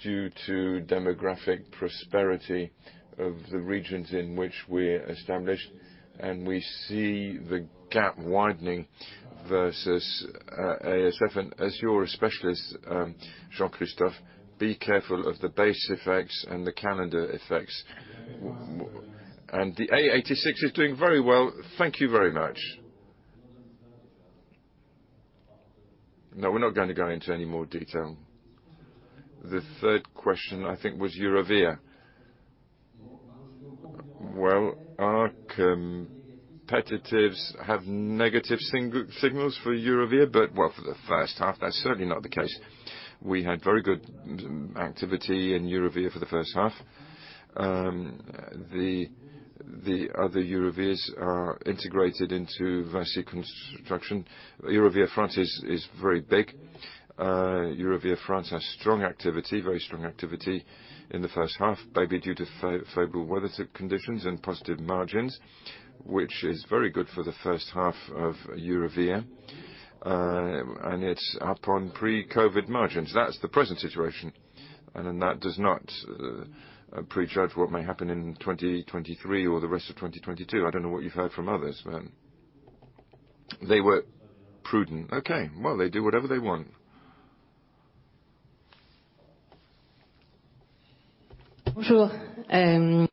due to demographic prosperity of the regions in which we're established, and we see the gap widening versus ASF. As you're a specialist, Jean-Christophe, be careful of the base effects and the calendar effects. The A86 is doing very well. Thank you very much. No, we're not gonna go into any more detail. The third question, I think, was Eurovia. Well, our competitors have negative signals for Eurovia, but, well, for the first half, that's certainly not the case. We had very good activity in Eurovia for the first half. The other Eurovias are integrated into VINCI Construction. Eurovia France is very big. Eurovia France has strong activity, very strong activity in the first half, maybe due to favorable weather conditions and positive margins. Which is very good for the first half of Eurovia. It's up on pre-COVID margins. That's the present situation, and then that does not prejudge what may happen in 2023 or the rest of 2022. I don't know what you've heard from others, but they were prudent. Okay. Well, they do whatever they want. Hi.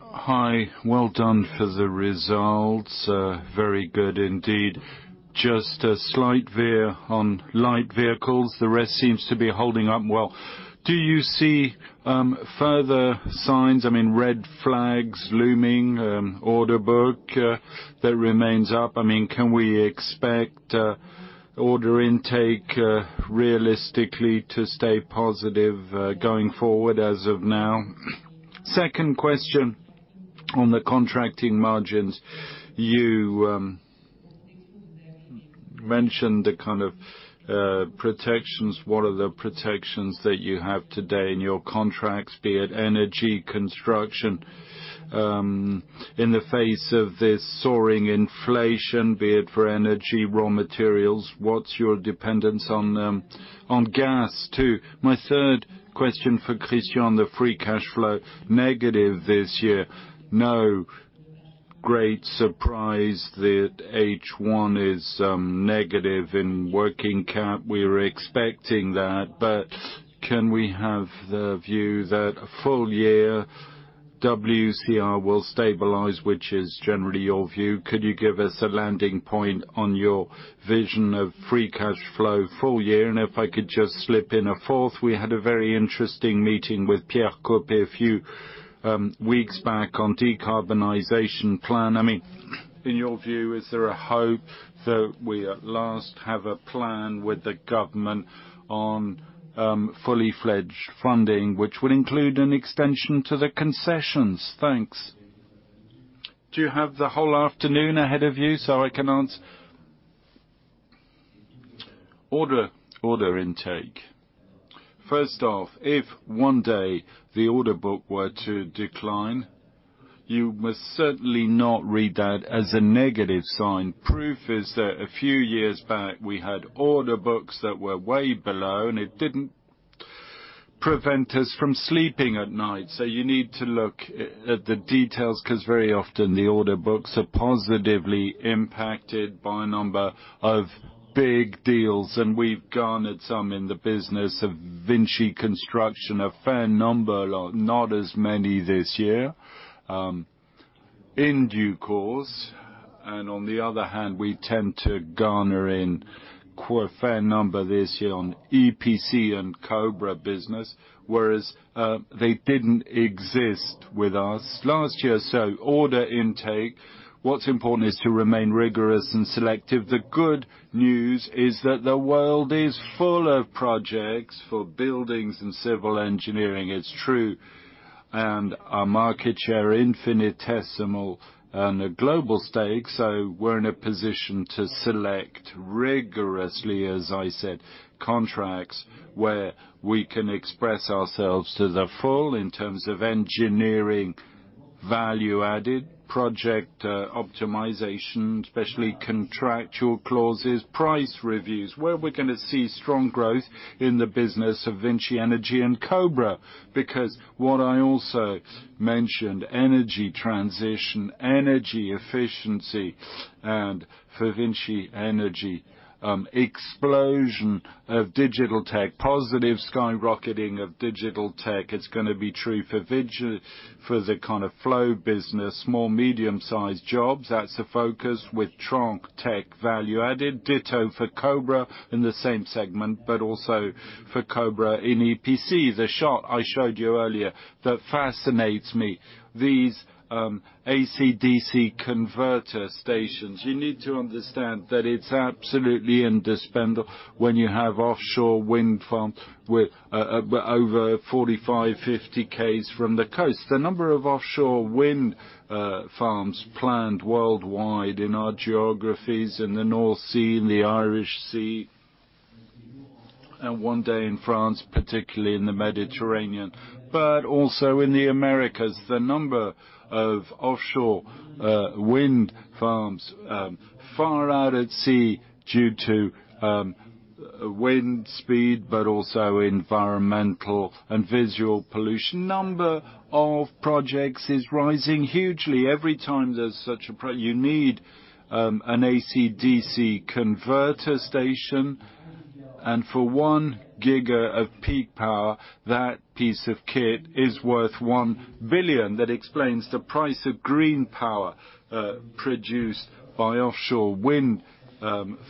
Hi. Well done for the results. Very good indeed. Just a slight veer on light vehicles, the rest seems to be holding up well. Do you see further signs, I mean, red flags looming, order book that remains up? I mean, can we expect order intake realistically to stay positive going forward as of now? Second question, on the contracting margins, you mentioned the kind of protections. What are the protections that you have today in your contracts, be it energy, construction, in the face of this soaring inflation, be it for energy, raw materials, what's your dependence on them, on gas too? My third question for Christian, the free cash flow negative this year, no great surprise that H1 is negative in working cap. We were expecting that. Can we have the view that full year WCR will stabilize, which is generally your view? Could you give us a landing point on your vision of free cash flow full year? If I could just slip in a fourth, we had a very interesting meeting with Pierre Coppey a few weeks back on decarbonization plan. I mean, in your view, is there a hope that we at last have a plan with the government on fully fledged funding, which would include an extension to the concessions? Thanks. Do you have the whole afternoon ahead of you so I can answer? Order intake. First off, if one day the order book were to decline, you must certainly not read that as a negative sign. Proof is that a few years back, we had order books that were way below, and it didn't prevent us from sleeping at night. You need to look at the details 'cause very often the order books are positively impacted by a number of big deals, and we've garnered some in the business of VINCI Construction, a fair number, not as many this year, in due course. On the other hand, we tend to garner in, a fair number this year on EPC and Cobra IS business, whereas they didn't exist with us last year. Order intake, what's important is to remain rigorous and selective. The good news is that the world is full of projects for buildings and civil engineering, it's true. Our market share infinitesimal on a global stake, so we're in a position to select rigorously, as I said, contracts where we can express ourselves to the full in terms of engineering value added, project optimization, especially contractual clauses, price reviews, where we're gonna see strong growth in the business of VINCI Energies and Cobra IS. Because what I also mentioned, energy transition, energy efficiency, and for VINCI Energies, explosion of digital tech, positive skyrocketing of digital tech. It's gonna be true for the kind of flow business, small, medium-sized jobs. That's the focus with strong tech value added, ditto for Cobra IS in the same segment, but also for Cobra IS in EPC. The shot I showed you earlier that fascinates me, these AC, DC converter stations. You need to understand that it's absolutely indispensable when you have offshore wind farm with over 45km-50 km from the coast. The number of offshore wind farms planned worldwide in our geographies in the North Sea, in the Irish Sea, and one day in France, particularly in the Mediterranean, but also in the Americas. The number of offshore wind farms far out at sea due to wind speed, but also environmental and visual pollution. Number of projects is rising hugely. Every time there's such a project you need an AC, DC converter station. For 1 GW of peak power, that piece of kit is worth 1 billion. That explains the price of green power produced by offshore wind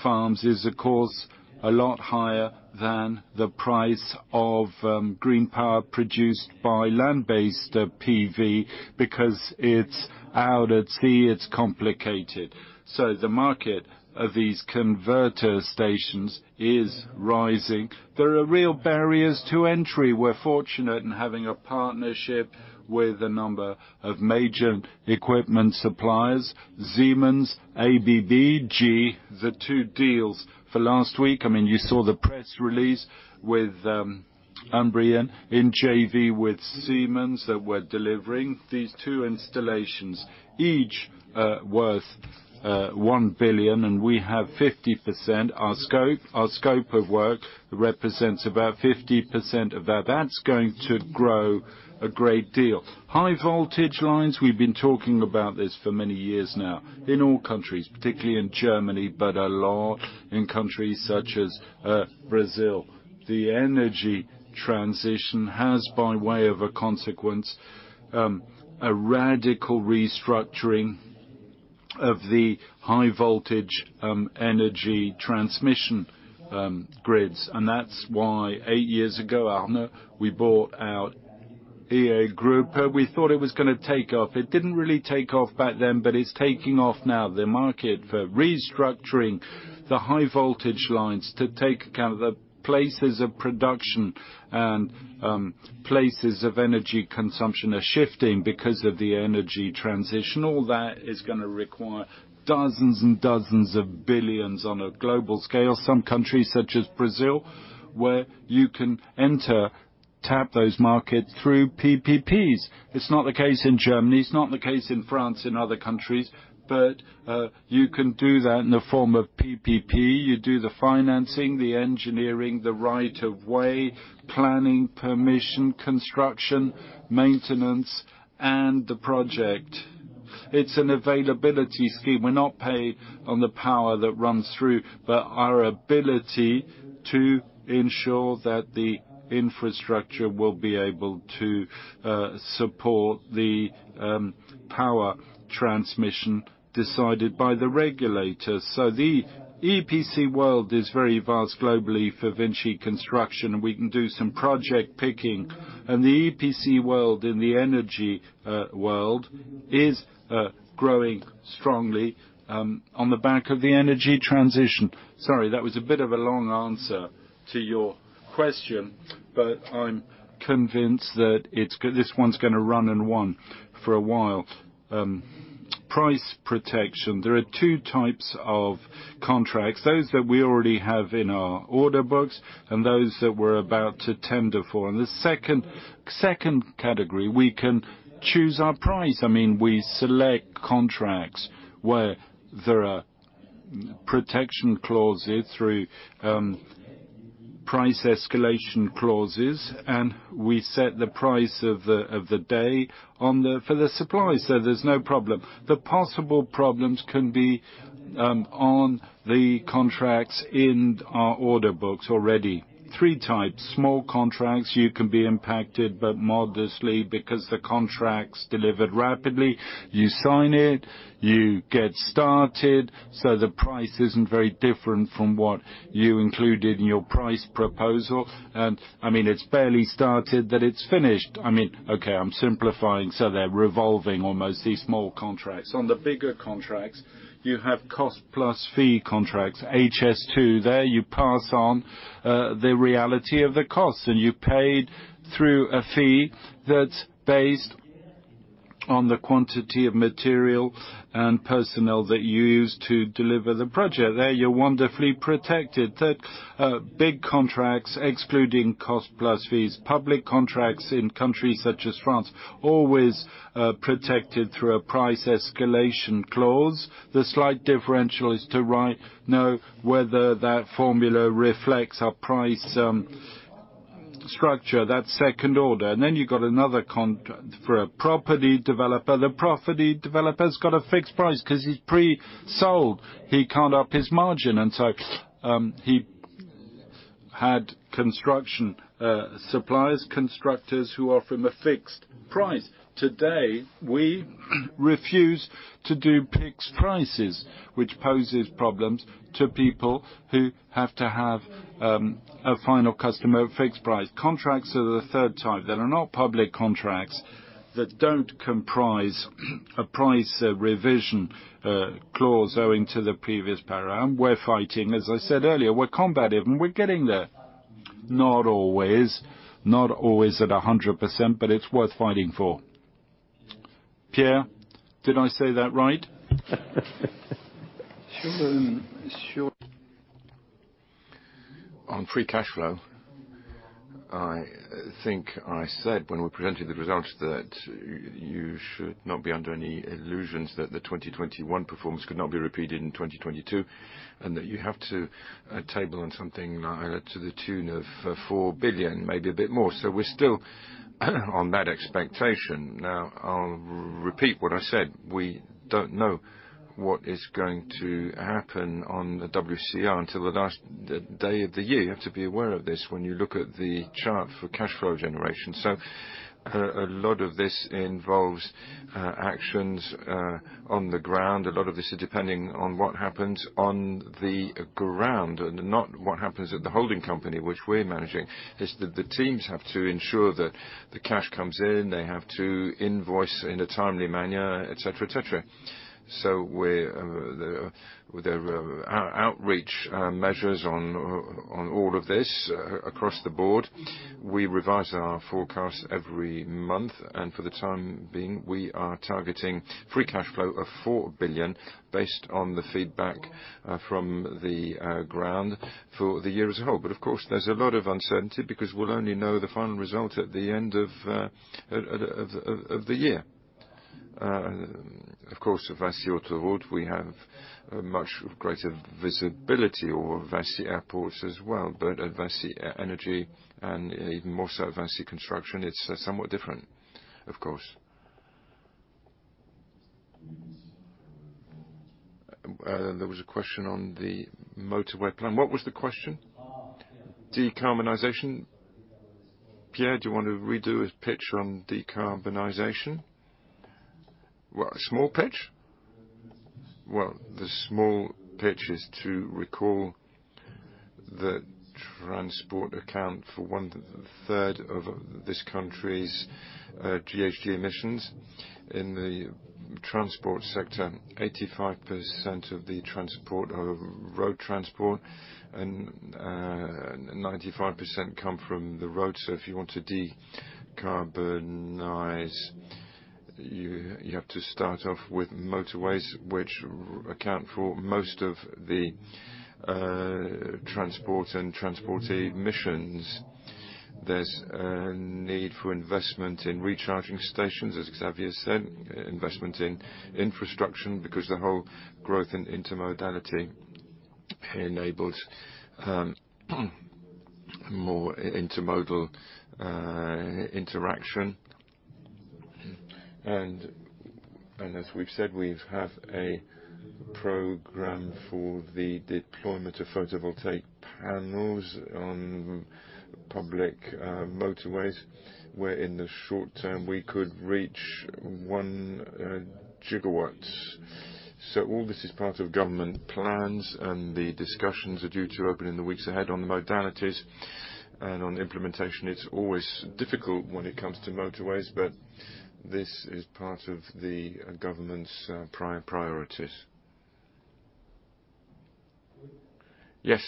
farms is, of course, a lot higher than the price of green power produced by land-based PV because it's out at sea, it's complicated. The market of these converter stations is rising. There are real barriers to entry. We're fortunate in having a partnership with a number of major equipment suppliers, Siemens, ABB, GE. The two deals for last week, I mean, you saw the press release with Amprion in JV with Siemens that we're delivering. These two installations, each worth 1 billion, and we have 50%. Our scope of work represents about 50% of that. That's going to grow a great deal. High voltage lines, we've been talking about this for many years now in all countries, particularly in Germany, but a lot in countries such as Brazil. The energy transition has, by way of a consequence, a radical restructuring of the high voltage energy transmission grids. That's why eight years ago, Arnaud, we bought out EA Group. We thought it was gonna take off. It didn't really take off back then, but it's taking off now. The market for restructuring the high voltage lines to take account of the places of production and places of energy consumption are shifting because of the energy transition. All that is gonna require dozens and dozens of billions on a global scale. Some countries, such as Brazil, where you can enter, tap those markets through PPPs. It's not the case in Germany, it's not the case in France and other countries, but you can do that in the form of PPP. You do the financing, the engineering, the right of way, planning, permission, construction, maintenance, and the project. It's an availability scheme. We're not paid on the power that runs through, but our ability to ensure that the infrastructure will be able to support the power transmission decided by the regulators. The EPC World is very vast globally for VINCI Construction, and we can do some project picking. The EPC World and the energy world is growing strongly on the back of the energy transition. Sorry, that was a bit of a long answer to your question, but I'm convinced that this one's gonna run and on for a while. Price protection. There are two types of contracts, those that we already have in our order books and those that we're about to tender for. The second category, we can choose our price. I mean, we select contracts where there are protection clauses through price escalation clauses, and we set the price of the day on the for the suppliers. So there's no problem. The possible problems can be on the contracts in our order books already. Three types. Small contracts, you can be impacted, but modestly, because the contract's delivered rapidly. You sign it, you get started, so the price isn't very different from what you included in your price proposal. I mean, it's barely started that it's finished. I mean, okay, I'm simplifying, so they're revolving almost these small contracts. On the bigger contracts, you have cost-plus-fee contracts. HS2, there you pass on the reality of the cost, and you're paid through a fee that's based on the quantity of material and personnel that you use to deliver the project. There you're wonderfully protected. Third, big contracts excluding cost-plus-fees. Public contracts in countries such as France always protected through a price escalation clause. The slight differential is whether that formula reflects our price structure. That's second order. For a property developer, the property developer's got a fixed price 'cause he's pre-sold. He can't up his margin, and so he has construction suppliers, constructors who offer him a fixed price. Today, we refuse to do fixed prices, which poses problems to people who have to have a final customer at fixed price. Contracts are the third type that are not public contracts that don't comprise a price revision clause owing to the previous para. We're fighting, as I said earlier, we're combative, and we're getting there. Not always. Not always at 100%, but it's worth fighting for. Pierre, did I say that right? Sure, sure. On free cash flow, I think I said when we presented the results that you should not be under any illusions, that the 2021 performance could not be repeated in 2022, and that you have to count on something like to the tune of 4 billion, maybe a bit more. We're still on that expectation. Now, I'll repeat what I said. We don't know what is going to happen on the WCR until the last day of the year. You have to be aware of this when you look at the chart for cash flow generation. A lot of this involves actions on the ground. A lot of this is depending on what happens on the ground and not what happens at the holding company which we're managing. The teams have to ensure that the cash comes in, they have to invoice in a timely manner, et cetera, et cetera. We're with the outreach measures on all of this across the board, we revise our forecast every month. For the time being, we are targeting free cash flow of 4 billion based on the feedback from the ground for the year as a whole. Of course, there's a lot of uncertainty because we'll only know the final result at the end of the year. Of course, VINCI Autoroutes, we have a much greater visibility or VINCI Airports as well. At VINCI Energies, and even more so at VINCI Construction, it's somewhat different, of course. There was a question on the motorway plan. What was the question? Decarbonization. Pierre, do you want to redo a pitch on decarbonization? Well, a small pitch? Well, the small pitch is to recall that transport accounts for one-third of this country's GHG emissions. In the transport sector, 85% of the transport are road transport and 95% come from the road. If you want to decarbonize, you have to start off with motorways, which account for most of the transport and transport emissions. There's a need for investment in recharging stations, as Xavier said, investment in infrastructure, because the whole growth in intermodality enables more intermodal interaction. As we've said, we have a program for the deployment of photovoltaic panels on public motorways, where in the short term we could reach 1 GW. All this is part of government plans, and the discussions are due to open in the weeks ahead on the modalities and on implementation. It's always difficult when it comes to motorways, but this is part of the government's priorities. Yes.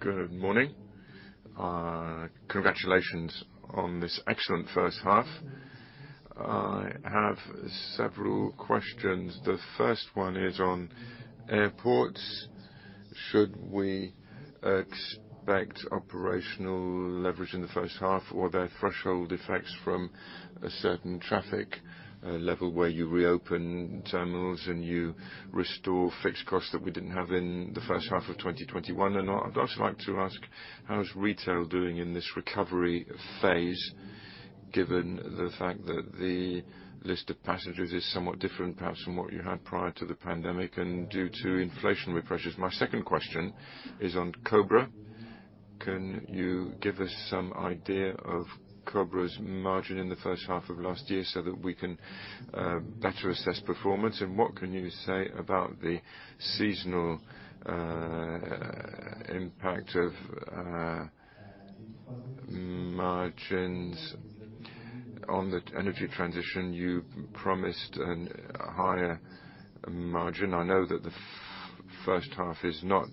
Good morning. Congratulations on this excellent first half. I have several questions. The first one is on airports. Should we expect operational leverage in the first half or are there threshold effects from a certain traffic level where you reopen terminals and you restore fixed costs that we didn't have in the first half of 2021? I'd also like to ask, how is retail doing in this recovery phase, given the fact that the list of passengers is somewhat different, perhaps from what you had prior to the pandemic and due to inflationary pressures? My second question is on Cobra IS. Can you give us some idea of Cobra IS's margin in the first half of last year so that we can better assess performance? And what can you say about the seasonal impact of margins on the energy transition? You promised a higher margin. I know that the first half is not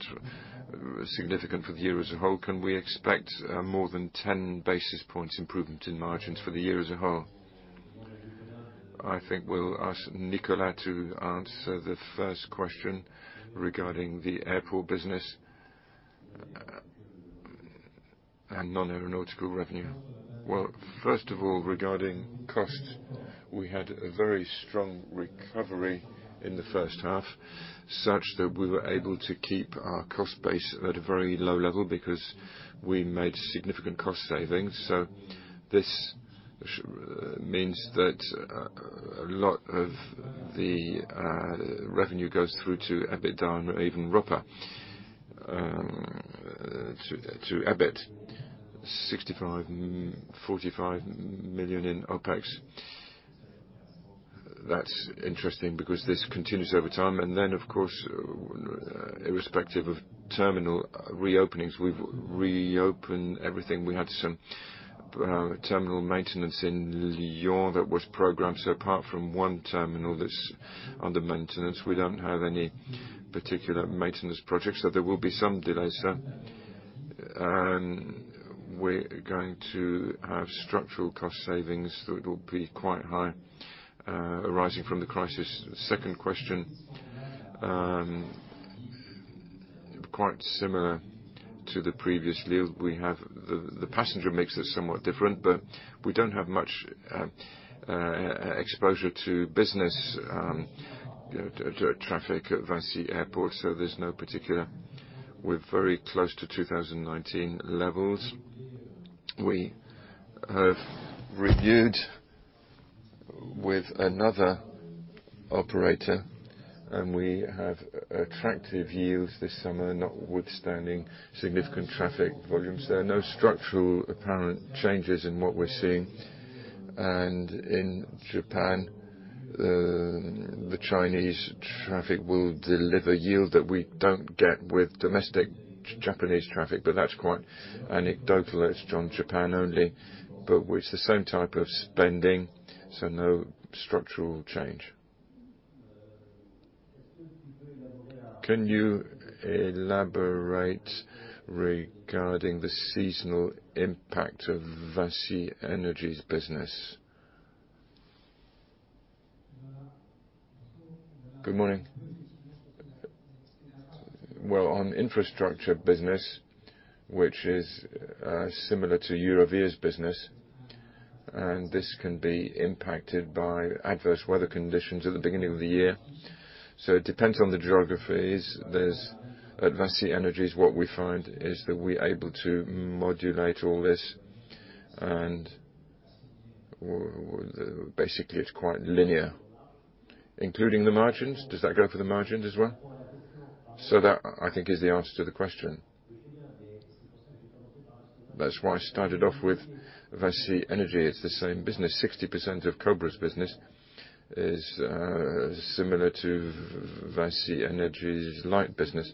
significant for the year as a whole. Can we expect more than 10 basis points improvement in margins for the year as a whole? I think we'll ask Nicolas to answer the first question regarding the airport business and non-aeronautical revenue. Well, first of all, regarding costs, we had a very strong recovery in the first half, such that we were able to keep our cost base at a very low level because we made significant cost savings. This means that a lot of the revenue goes through to EBITDA and even to EBIT, EUR 45 million in OpEx. That's interesting because this continues over time. Of course, irrespective of terminal reopenings, we've reopened everything. We had some terminal maintenance in Lyon that was programmed. Apart from one terminal that's under maintenance, we don't have any particular maintenance projects. There will be some delays there. We're going to have structural cost savings that will be quite high arising from the crisis. Second question, quite similar to the previous. The passenger mix is somewhat different, but we don't have much exposure to business, you know, to traffic at VINCI Airports, so there's no particular. We're very close to 2019 levels. We have renewed with another operator, and we have attractive yields this summer, notwithstanding significant traffic volumes. There are no structural apparent changes in what we're seeing. In Japan, the Chinese traffic will deliver yield that we don't get with domestic Japanese traffic, but that's quite anecdotal. It's on Japan only, but with the same type of spending, so no structural change. Can you elaborate regarding the seasonal impact of VINCI Energies's business? Good morning. Well, on infrastructure business, which is similar to Eurovia's business, and this can be impacted by adverse weather conditions at the beginning of the year. It depends on the geographies. At VINCI Energies, what we find is that we're able to modulate all this, and well, basically, it's quite linear. Including the margins? Does that go for the margins as well? That, I think, is the answer to the question. That's why I started off with VINCI Energies. It's the same business. 60% of Cobra IS's business is similar to VINCI Energies' light business.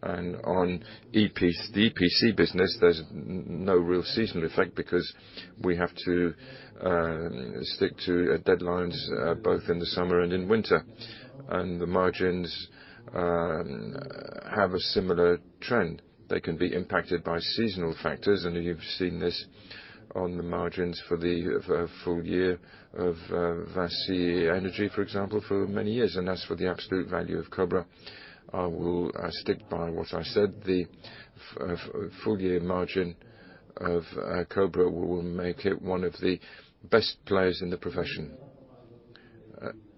On the EPC business, there's no real seasonal effect because we have to stick to deadlines both in the summer and in winter. The margins have a similar trend. They can be impacted by seasonal factors, and you've seen this on the margins for the full year of VINCI Energies, for example, for many years. As for the absolute value of Cobra IS, I will stick by what I said. The full year margin of Cobra IS will make it one of the best players in the profession.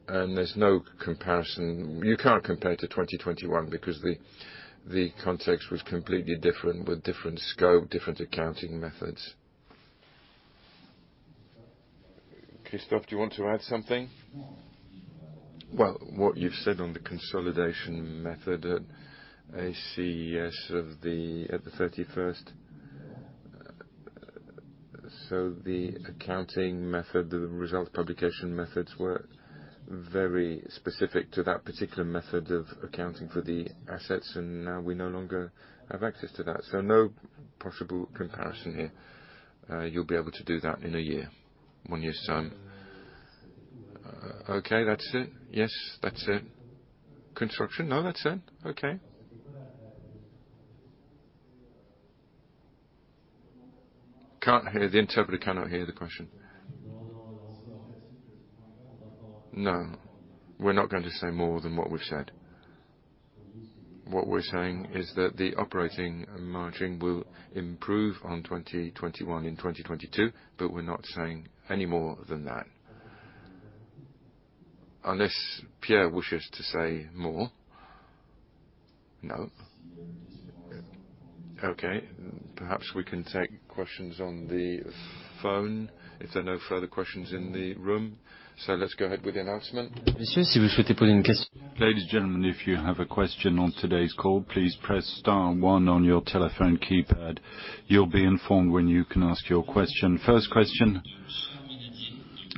There's no comparison. You can't compare to 2021 because the context was completely different with different scope, different accounting methods. Christophe, do you want to add something? Well, what you've said on the consolidation method at ACS at the 31st, so the accounting method, the result publication methods were very specific to that particular method of accounting for the assets, and now we no longer have access to that. So no possible comparison here. You'll be able to do that in a year, one year's time. Okay, that's it. Yes, that's it. Construction? No, that's it. Okay. Can't hear. The interpreter cannot hear the question. No, we're not going to say more than what we've said. What we're saying is that the operating margin will improve on 2021 in 2022, but we're not saying any more than that. Unless Pierre wishes to say more. No? Okay. Perhaps we can take questions on the phone if there are no further questions in the room. Let's go ahead with the announcement. Ladies and gentlemen, if you have a question on today's call, please press star one on your telephone keypad. You'll be informed when you can ask your question. First question,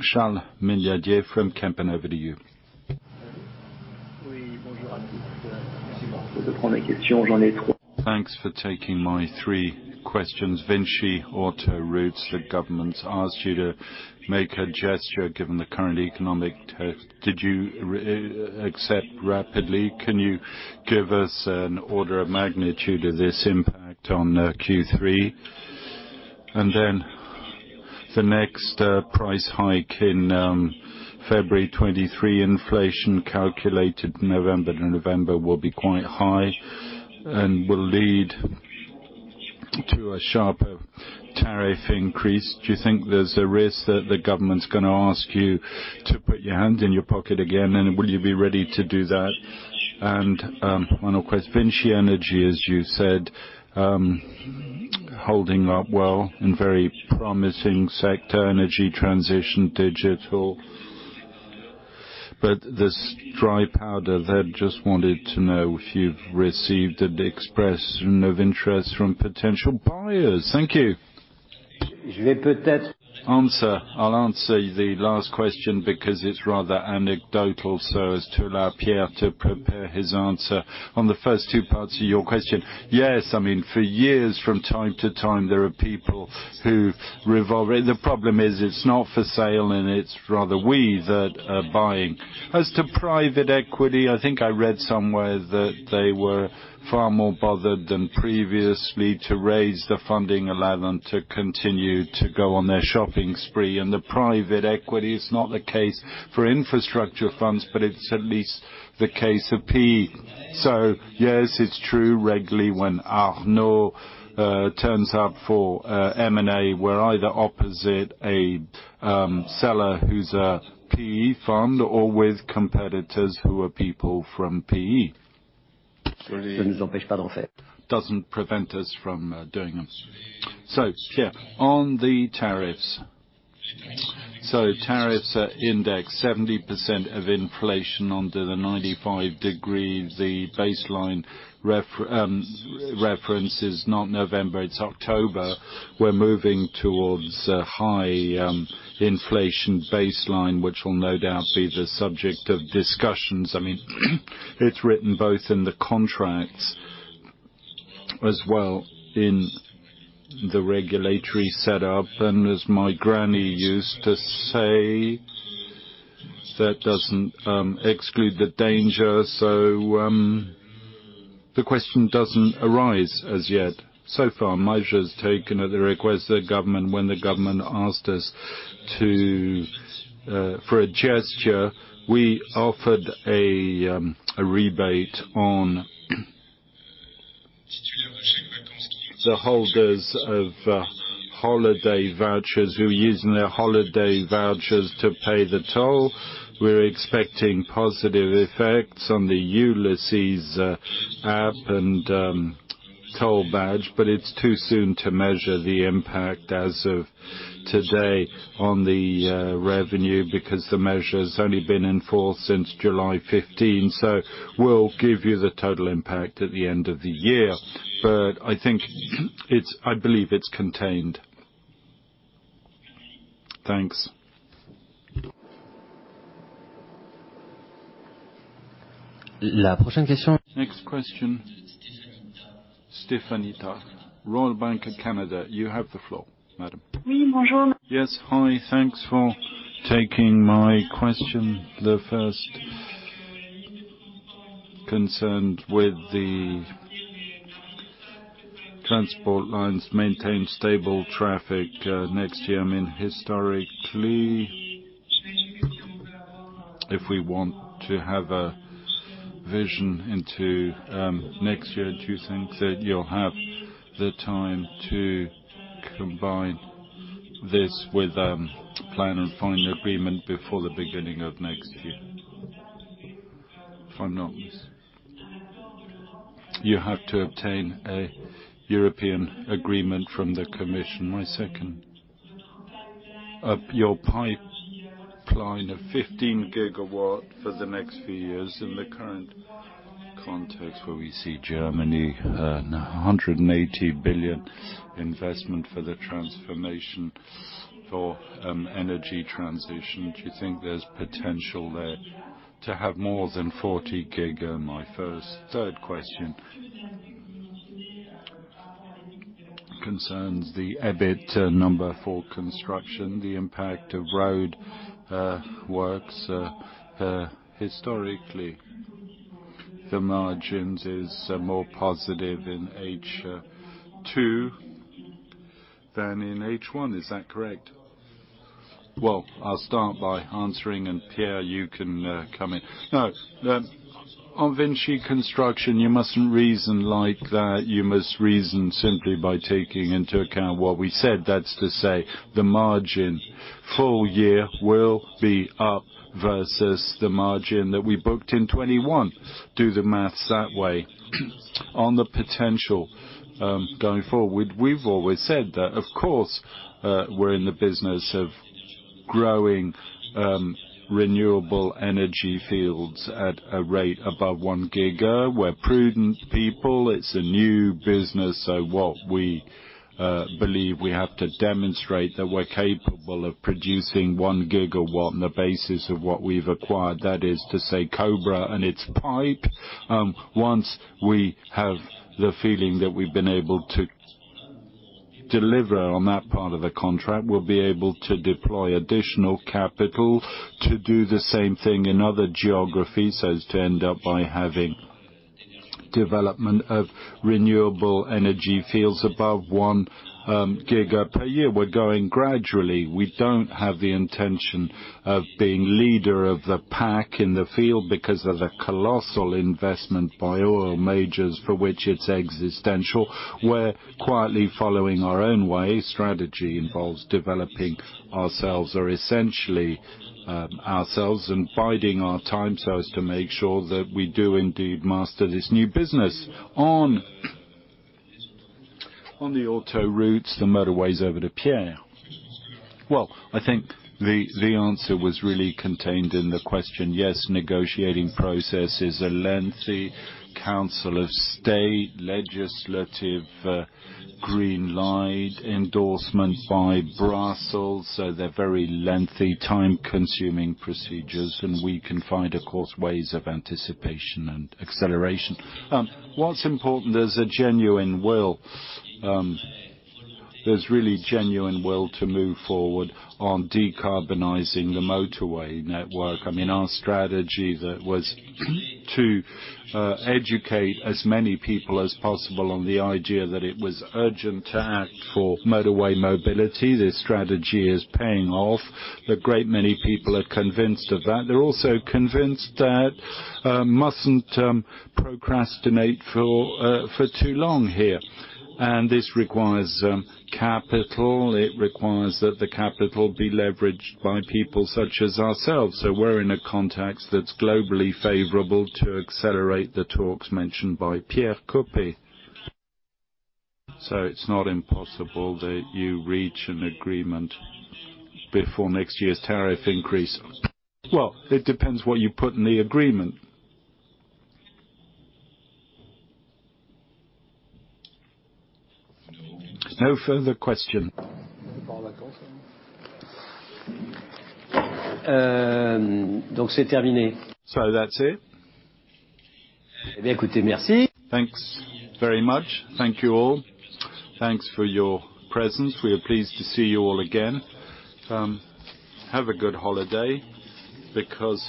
Charles Milliard from Kepler Cheuvreux to you. Thanks for taking my three questions. VINCI Autoroutes, the government asked you to make a gesture given the current economic terms. Did you readily accept? Can you give us an order of magnitude of this impact on Q3? And then the next price hike in February 2023, inflation calculated November to November will be quite high and will lead to a sharper tariff increase. Do you think there's a risk that the government's gonna ask you to put your hand in your pocket again? And one more question. VINCI Energies, as you said, holding up well in very promising sector, energy transition, digital. This dry powder there, just wanted to know if you've received an expression of interest from potential buyers. Thank you. I'll answer the last question because it's rather anecdotal, so as to allow Pierre to prepare his answer. On the first two parts of your question, yes, I mean, for years from time to time, there are people who are involved. The problem is it's not for sale and it's rather we that are buying. As to private equity, I think I read somewhere that they were far more bothered than previously to raise the funding allowed them to continue to go on their shopping spree. The private equity is not the case for infrastructure funds, but it's at least the case of PE. Yes, it's true regularly when Arnaud turns up for M&A, we're either opposite a seller who's a PE fund or with competitors who are people from PE. Doesn't prevent us from doing them. Pierre, on the tariffs. Tariffs are indexed 70% of inflation under the 95 decree. The baseline reference is not November, it's October. We're moving towards a high inflation baseline, which will no doubt be the subject of discussions. I mean it's written both in the contracts as well in the regulatory setup, and as my granny used to say, "That doesn't exclude the danger. The question doesn't arise as yet. So far, measures taken at the request of the government when the government asked us to. For a gesture, we offered a rebate on the holders of holiday vouchers, who were using their holiday vouchers to pay the toll. We're expecting positive effects on the Ulys app and toll badge, but it's too soon to measure the impact as of today on the revenue, because the measure's only been in force since July 15th. We'll give you the total impact at the end of the year. I believe it's contained. Thanks. Next question, Stéphanie D'Ath, Royal Bank of Canada. You have the floor, madam. Yes. Hi, thanks for taking my question. The first concerned with the transport lines maintain stable traffic next year. I mean, historically, if we want to have a vision into next year, do you think that you'll have the time to combine this with plan on final agreement before the beginning of next year? If I'm not mistaken, you have to obtain a European agreement from the commission. My second, update your pipeline of 15 GW for the next few years. In the current context where we see Germany now 180 billion investment for the transformation for energy transition, do you think there's potential there to have more than 40 GW. Third question concerns the EBIT number for construction, the impact of road works. Historically, the margins is more positive in H2 than in H1. Is that correct? Well, I'll start by answering and Pierre, you can come in. No. On VINCI Construction, you mustn't reason like that. You must reason simply by taking into account what we said. That's to say, the margin full year will be up versus the margin that we booked in 2021. Do the math that way. On the potential going forward, we've always said that, of course, we're in the business of growing renewable energy fields at a rate above 1 GW. We're prudent people. It's a new business, so what we believe we have to demonstrate that we're capable of producing 1 gigawatt on the basis of what we've acquired. That is to say, Cobra IS and its pipeline. Once we have the feeling that we've been able to deliver on that part of the contract, we'll be able to deploy additional capital to do the same thing in other geographies, so as to end up by having development of renewable energy fields above 1 GW per year. We're going gradually. We don't have the intention of being leader of the pack in the field because of the colossal investment by oil majors for which it's existential. We're quietly following our own way. Strategy involves developing ourselves, or essentially, ourselves and biding our time so as to make sure that we do indeed master this new business. On the autoroutes, the motorways, over to Pierre. Well, I think the answer was really contained in the question. Yes, negotiating process is a lengthy Council of State, legislative, green-light endorsement by Brussels. They're very lengthy, time-consuming procedures, and we can find, of course, ways of anticipation and acceleration. What's important, there's really genuine will to move forward on decarbonizing the motorway network. I mean, our strategy that was to educate as many people as possible on the idea that it was urgent to act for motorway mobility, this strategy is paying off. A great many people are convinced of that. They're also convinced that mustn't procrastinate for too long here. This requires capital. It requires that the capital be leveraged by people such as ourselves. We're in a context that's globally favorable to accelerate the talks mentioned by Pierre Coppey. It's not impossible that you reach an agreement before next year's tariff increase. Well, it depends what you put in the agreement. No further question. That's it. Thanks very much. Thank you all. Thanks for your presence. We are pleased to see you all again. Have a good holiday, because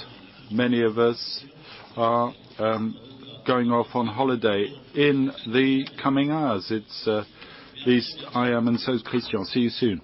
many of us are going off on holiday in the coming hours. It's at least I am, and so is Christian. See you soon.